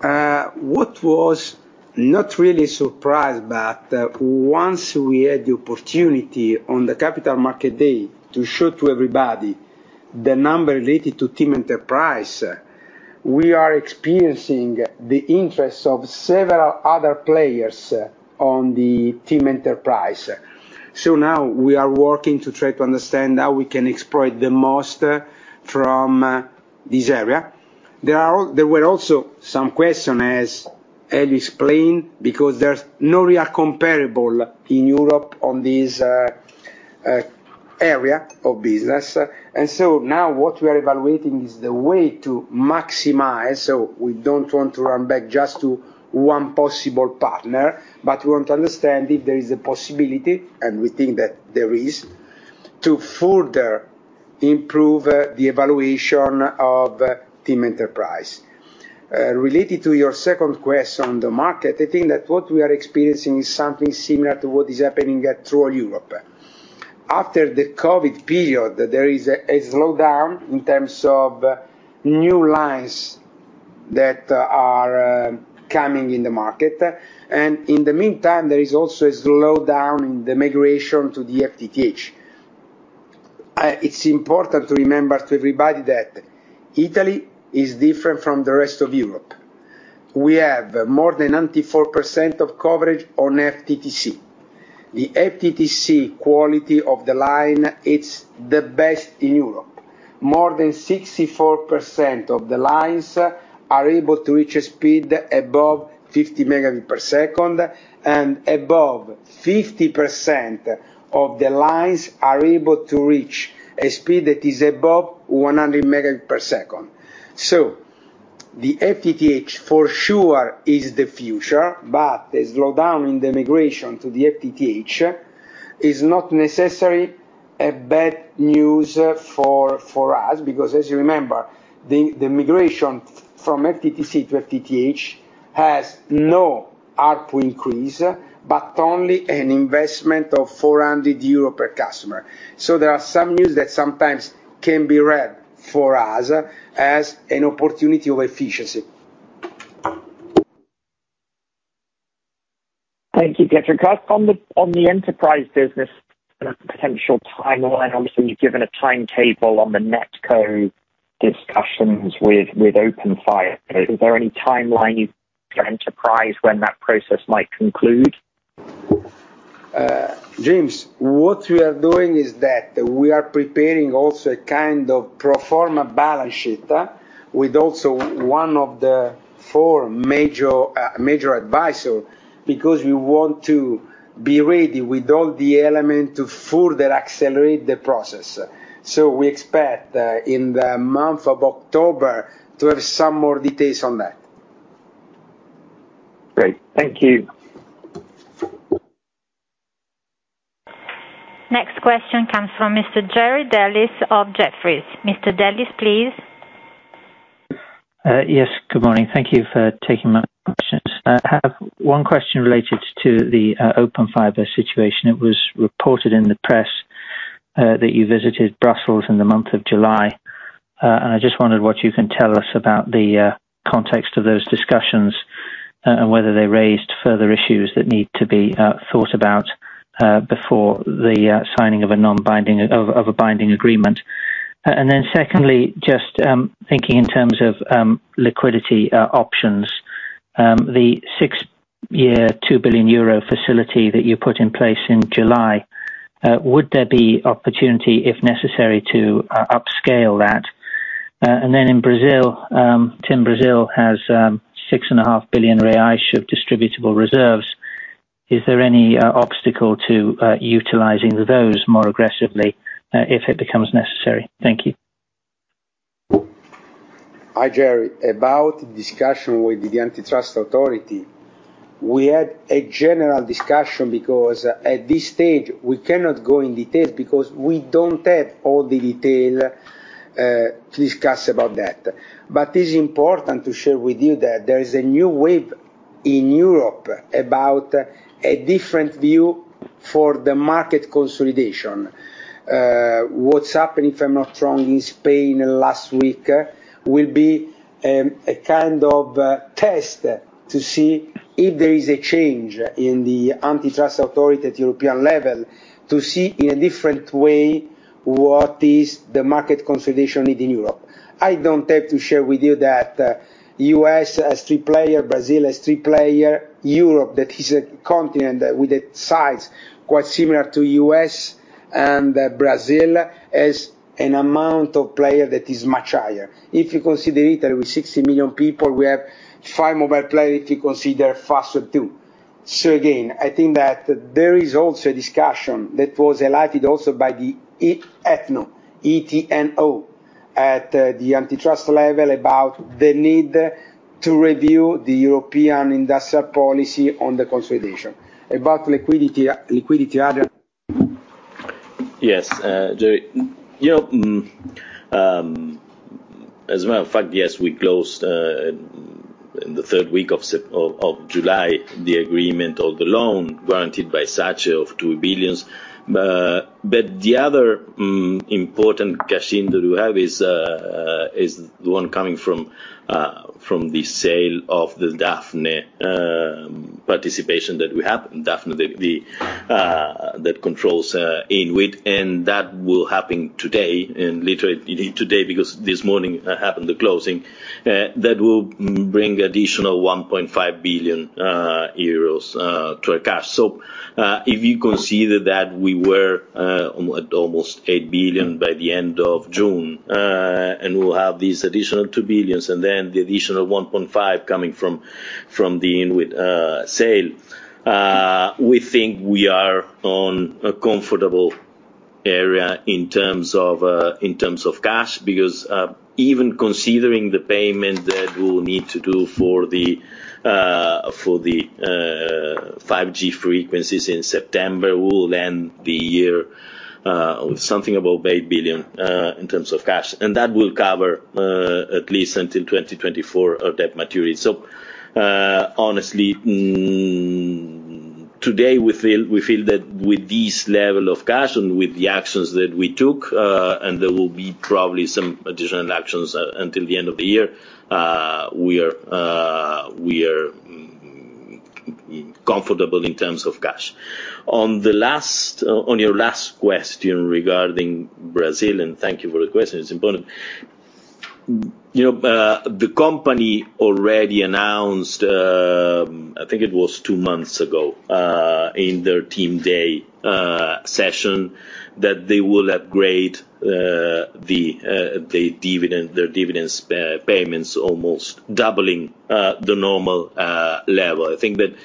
I was not really surprised, but once we had the opportunity on the Capital Markets Day to show to everybody the number related to TIM Enterprise, we are experiencing the interest of several other players on the TIM Enterprise. Now we are working to try to understand how we can exploit the most from this area. There were also some questions as Eli explained, because there's no real comparable in Europe on this area of business. Now what we are evaluating is the way to maximize. We don't want to rush back just to one possible partner, but we want to understand if there is a possibility, and we think that there is, to further improve the valuation of TIM Enterprise. Related to your second question on the market, I think that what we are experiencing is something similar to what is happening throughout Europe. After the COVID period, there is a slowdown in terms of new lines that are coming in the market. In the meantime, there is also a slowdown in the migration to the FTTH. It's important to remember to everybody that Italy is different from the rest of Europe. We have more than 94% of coverage on FTTC. The FTTC quality of the line, it's the best in Europe. More than 64% of the lines are able to reach a speed above 50 Mbps, and above 50% of the lines are able to reach a speed that is above 100 Mbps. The FTTH for sure is the future, but a slowdown in the migration to the FTTH is not necessarily a bad news for us, because as you remember, the migration from FTTC to FTTH has no ARPU increase, but only an investment of 400 euro per customer. There are some news that sometimes can be read for us as an opportunity of efficiency. Thank you, Pietro. Can I ask on the enterprise business and a potential timeline? Obviously, you've given a timetable on the NetCo discussions with Open Fiber. Is there any timeline for enterprise when that process might conclude? James, what we are doing is that we are preparing also a kind of pro forma balance sheet, with also one of the four major advisor, because we want to be ready with all the element to further accelerate the process. We expect in the month of October to have some more details on that. Great. Thank you. Next question comes from Mr. Jerry Dellis of Jefferies. Mr. Dellis, please. Yes, good morning. Thank you for taking my questions. I have one question related to the Open Fiber situation. It was reported in the press that you visited Brussels in the month of July. I just wondered what you can tell us about the context of those discussions and whether they raised further issues that need to be thought about before the signing of a binding agreement. Secondly, just thinking in terms of liquidity options, the six-year, 2 billion euro facility that you put in place in July, would there be opportunity, if necessary, to upscale that? In Brazil, TIM Brasil has 6.5 billion reais of distributable reserves. Is there any obstacle to utilizing those more aggressively if it becomes necessary? Thank you. Hi, Jerry. About discussion with the antitrust authority, we had a general discussion because at this stage we cannot go into detail because we don't have all the details to discuss about that. It's important to share with you that there is a new wave in Europe about a different view for the market consolidation. What's happening, if I'm not wrong, in Spain last week, will be a kind of a test to see if there is a change in the antitrust authority at European level to see in a different way what is the market consolidation need in Europe. I do have to share with you that, U.S. has three players, Brazil has three players, Europe, that is a continent with a size quite similar to U.S. and Brazil, has a number of players that is much higher. If you consider Italy with 60 million people, we have five mobile player if you consider Fastweb too. Again, I think that there is also a discussion that was highlighted also by the ETNO, E-T-N-O, at the antitrust level about the need to review the European industrial policy on the consolidation. About liquidity, Adrian? Yes, Gerry. You know, as a matter of fact, yes, we closed in the third week of July the agreement of the loan guaranteed by SACE of 2 billion. The other important cash in that we have is the one coming from the sale of the Daphne participation that we have. Daphne, the that controls Inwit, and that will happen today, literally today, because this morning happened the closing. That will bring additional 1.5 billion euros to our cash. If you consider that we were almost 8 billion by the end of June, and we'll have these additional 2 billion, and then the additional 1.5 billion coming from the Inwit sale, we think we are on a comfortable area in terms of cash because even considering the payment that we'll need to do for the 5G frequencies in September, we will end the year with something above 8 billion in terms of cash. That will cover at least until 2024 of that maturity. Honestly, today we feel that with this level of cash and with the actions that we took, and there will be probably some additional actions until the end of the year, we are comfortable in terms of cash. On your last question regarding Brazil, and thank you for the question, it's important. You know, the company already announced, I think it was two months ago, in their team day session, that they will upgrade their dividends payments, almost doubling the normal level. I think that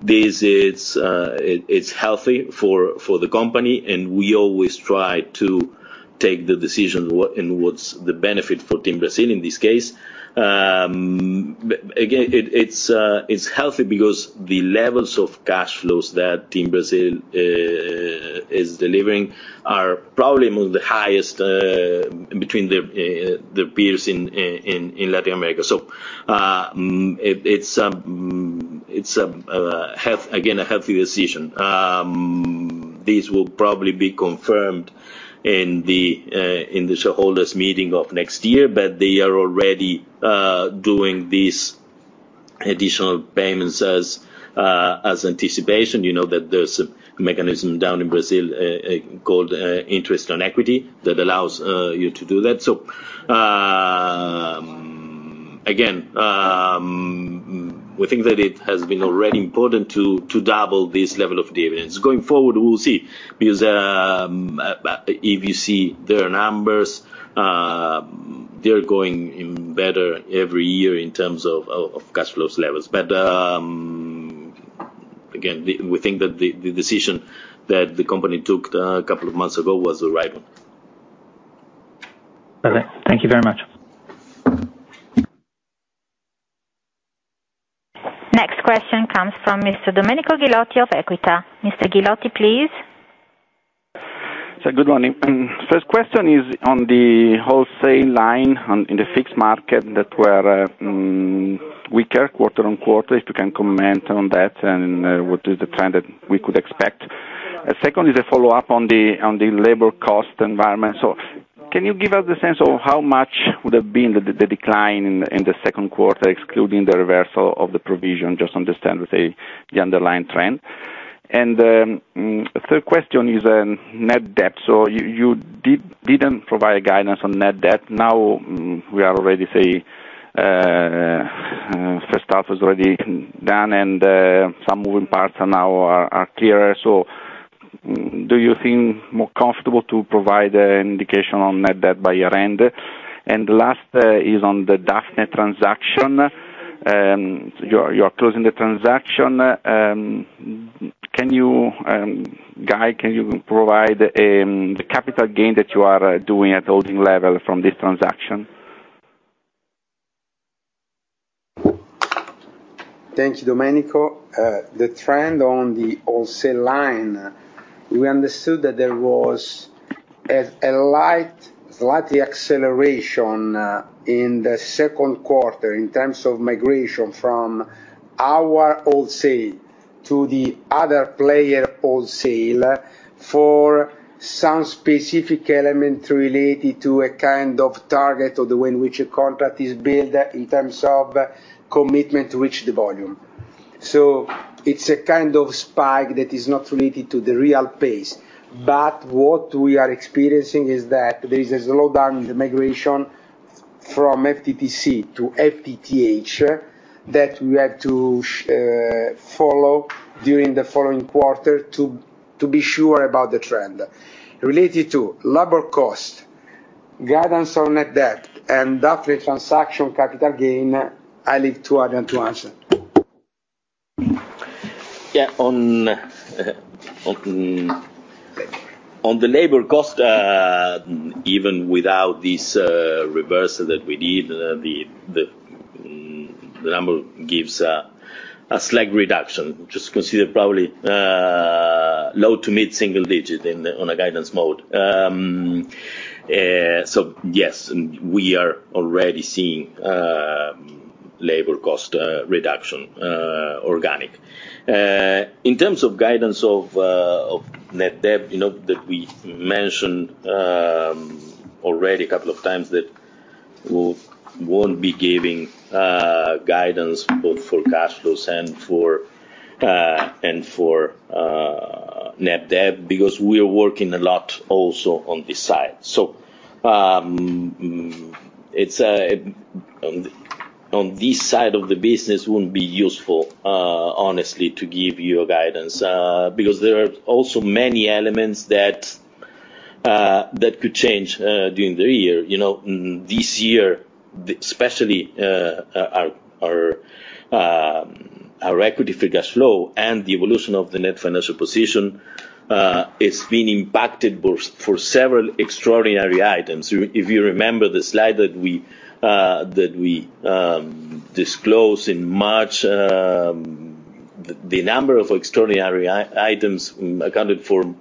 this is, it's healthy for the company, and we always try to take the decision in what's the benefit for TIM Brasil in this case. Again, it's healthy because the levels of cash flows that TIM Brasil is delivering are probably among the highest between the peers in Latin America. It's again a healthy decision. This will probably be confirmed in the shareholders meeting of next year, but they are already doing these additional payments as anticipation. You know that there's a mechanism down in Brazil called Interest on Equity that allows you to do that. Again, we think that it has been already important to double this level of dividends. Going forward, we'll see. Because if you see their numbers, they're going even better every year in terms of cash flows levels. Again, we think that the decision that the company took a couple of months ago was the right one. Okay. Thank you very much. Next question comes from Mr. Domenico Ghilotti of Equita. Mr. Ghilotti, please. Good morning. First question is on the wholesale line in the fixed market that were weaker quarter-over-quarter, if you can comment on that, and what is the trend that we could expect. Second is a follow-up on the labor cost environment. Can you give us a sense of how much would have been the decline in the Q2, excluding the reversal of the provision, just understand, let's say, the underlying trend. Third question is net debt. You didn't provide guidance on net debt. Now, we are already, say, first half is already done and some moving parts are now clearer. Do you think more comfortable to provide indication on net debt by year-end? Last is on the Daphne transaction. You're closing the transaction. Can you, Guy, provide the capital gain that you are doing at holding level from this transaction? Thanks, Domenico. The trend on the wholesale line, we understood that there was a slightly acceleration in the Q2 in terms of migration from our wholesale to the other player wholesale for some specific element related to a kind of target or the way in which a contract is built in terms of commitment to reach the volume. It's a kind of spike that is not related to the real pace. What we are experiencing is that there is a slowdown in the migration from FTTC to FTTH that we have to follow during the following quarter to be sure about the trend. Related to labor cost, guidance on net debt and Daphne transaction capital gain, I leave to Adrian to answer. Yeah. On the labor cost, even without this reversal that we did, the number gives a slight reduction, just consider probably low- to mid-single-digit on a guidance mode. Yes, we are already seeing labor cost reduction organic. In terms of guidance of net debt, you know that we mentioned already a couple of times that we won't be giving guidance both for cash flows and for net debt because we are working a lot also on this side. It's on this side of the business wouldn't be useful, honestly, to give you a guidance, because there are also many elements that could change during the year. You know, this year, especially, our equity free cash flow and the evolution of the net financial position is being impacted by several extraordinary items. If you remember the slide that we disclose in March, the number of extraordinary items accounted for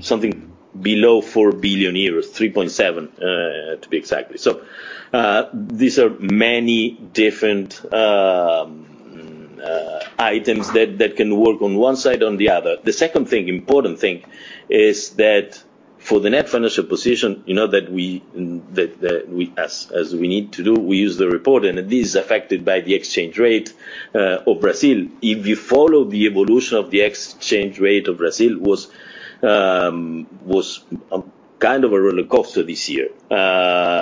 something below 4 billion euros, 3.7 billion to be exact. These are many different items that can work on one side, on the other. The second important thing is that for the net financial position, you know that we, as we need to do, we use the reported, and it is affected by the exchange rate of Brazil. If you follow the evolution of the exchange rate of the Brazilian real was kind of a rollercoaster this year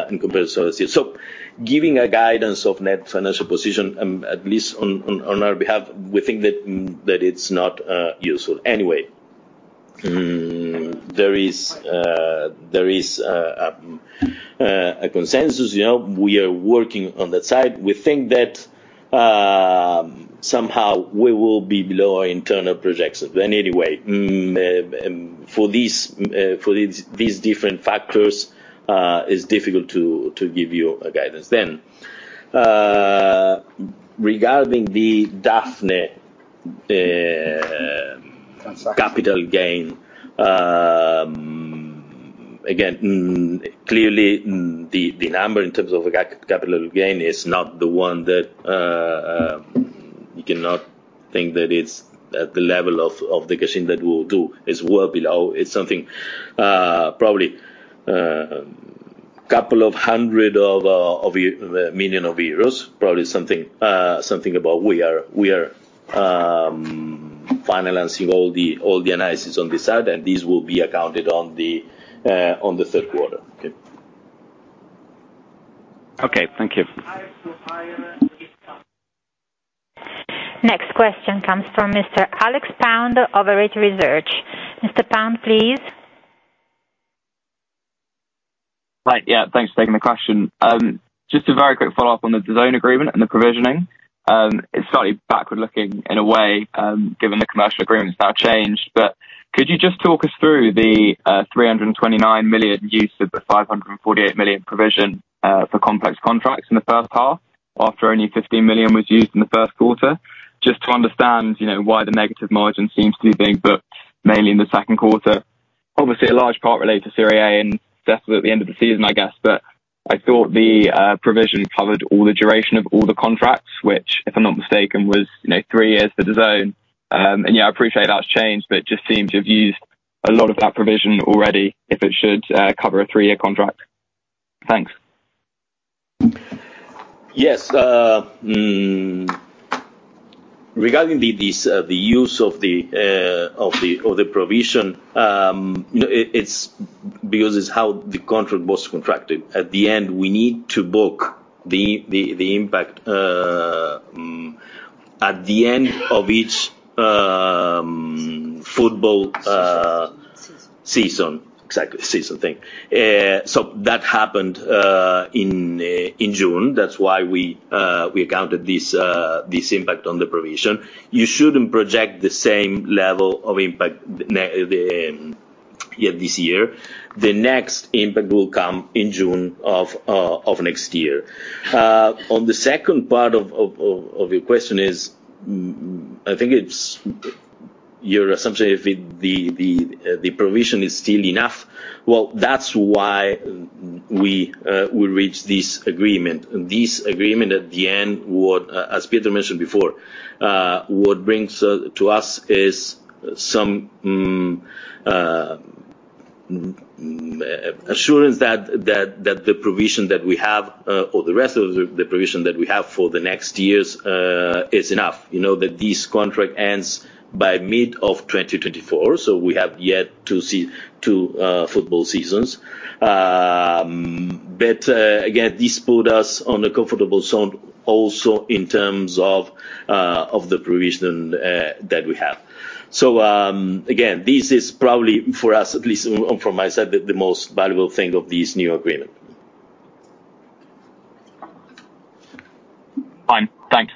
in comparison to last year. Giving a guidance of net financial position, at least on our behalf, we think that it's not useful. Anyway, there is a consensus. You know, we are working on that side. We think that somehow we will be below our internal projections. Anyway, for these different factors, is difficult to give you a guidance then. Regarding the Daphne capital gain, again, clearly, the number in terms of capital gain is not the one that you cannot think that it's at the level of the cash in that we'll do. It's well below. It's something, probably, couple of hundred million EUR. Probably something about we are finalizing all the analysis on this side, and this will be accounted on the Q3. Okay. Okay. Thank you. Next question comes from Mr. Alex Pound of Arete Research. Mr. Pound, please. Right. Yeah, thanks for taking the question. Just a very quick follow-up on the DAZN agreement and the provision. It's slightly backward-looking in a way, given the commercial agreements now changed. Could you just talk us through the 329 million use of the 548 million provision for complex contracts in the first half, after only 15 million was used in the Q1, just to understand, you know, why the negative margin seems to be being booked mainly in the Q2. Obviously, a large part related to Serie A and definitely at the end of the season, I guess. I thought the provision covered all the duration of all the contracts, which, if I'm not mistaken, was, you know, three years for the DAZN. Yeah, I appreciate that's changed, but it just seemed to have used a lot of that provision already if it should cover a three-year contract. Thanks. Yes. Regarding the use of the provision, you know, it's because it's how the contract was contracted. At the end, we need to book the impact at the end of each football Season. Season. Exactly. Season thing. So that happened in June. That's why we accounted this impact on the provision. You shouldn't project the same level of impact this year. The next impact will come in June of next year. On the second part of your question, I think it's your assumption if the provision is still enough. Well, that's why we reached this agreement. This agreement at the end would, as Peter mentioned before, what brings to us is some assurance that the provision that we have, or the rest of the provision that we have for the next years, is enough. You know that this contract ends by mid-2024, so we have yet to see two football seasons. But again, this put us on a comfortable zone also in terms of of the provision that we have. Again, this is probably for us, at least from my side, the most valuable thing of this new agreement. Fine. Thanks.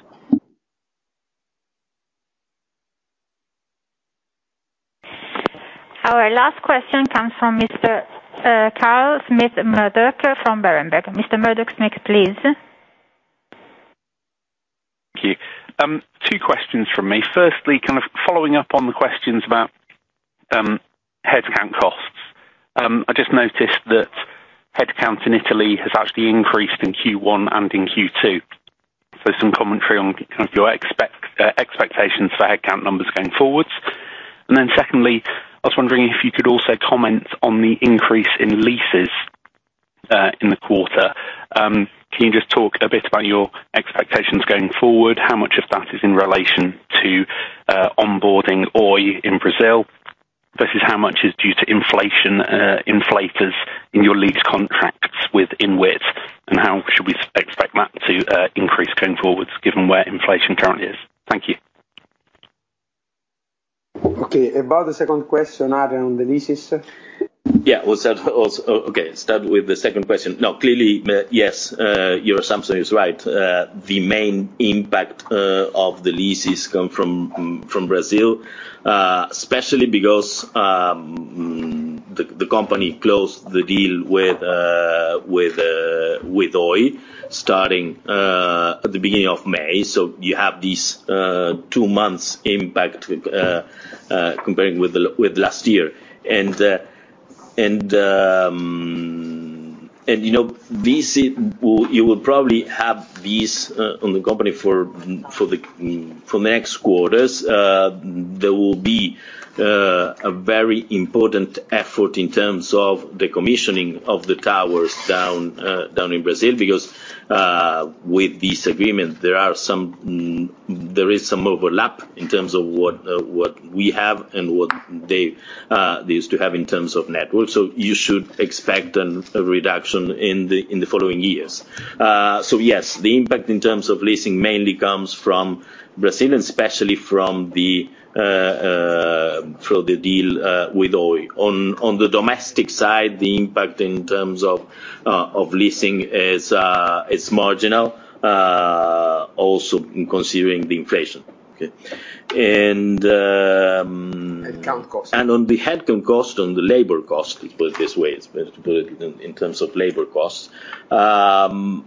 Our last question comes from Mr. Carl Murdock-Smith from Berenberg. Mr. Murdock-Smith, please. Thank you. Two questions from me. Firstly, kind of following up on the questions about headcount costs. I just noticed that headcount in Italy has actually increased in Q1 and in Q2. Some commentary on kind of your expectations for headcount numbers going forward. Then secondly, I was wondering if you could also comment on the increase in leases in the quarter. Can you just talk a bit about your expectations going forward? How much of that is in relation to onboarding Oi in Brazil versus how much is due to inflation, inflationary in your lease contracts with Inwit? How should we expect that to increase going forward given where inflation currently is? Thank you. Okay. About the second question, around the leases. Start with the second question. No, clearly, yes, your assumption is right. The main impact of the leases come from Brazil, especially because the company closed the deal with Oi starting at the beginning of May. You have these two months impact comparing with last year. You know, this is. You will probably have this on the company for the next quarters. There will be a very important effort in terms of the commissioning of the towers down in Brazil because with this agreement there is some overlap in terms of what we have and what they used to have in terms of network. You should expect a reduction in the following years. Yes, the impact in terms of leasing mainly comes from Brazil and especially from the deal with Oi. On the domestic side, the impact in terms of leasing is marginal, also considering the inflation. Okay. Headcount cost. On the headcount cost, on the labor cost, let's put it this way, it's better to put it in terms of labor costs. You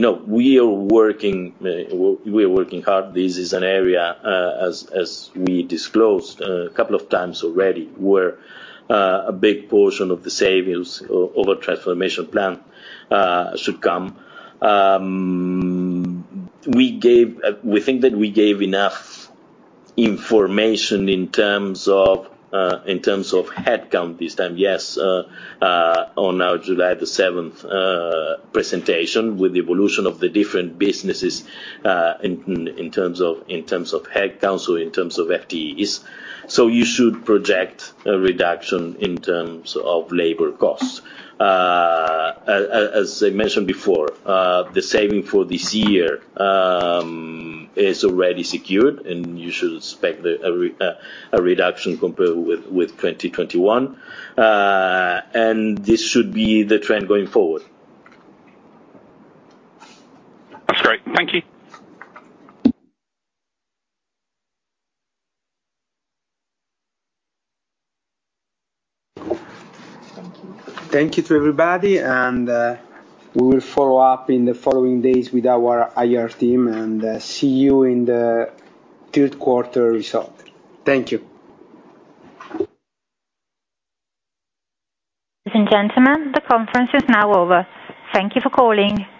know, we are working hard. This is an area, as we disclosed a couple of times already, where a big portion of the savings over transformation plan should come. We think that we gave enough information in terms of headcount this time. Yes, on our July 7 presentation with the evolution of the different businesses, in terms of headcount, so in terms of FTEs. So you should project a reduction in terms of labor costs. As I mentioned before, the savings for this year is already secured, and you should expect a reduction compared with 2021. This should be the trend going forward. That's great. Thank you. Thank you. Thank you to everybody, and we will follow up in the following days with our IR team, and see you in the Q3 result. Thank you. Ladies and gentlemen, the conference is now over. Thank you for calling.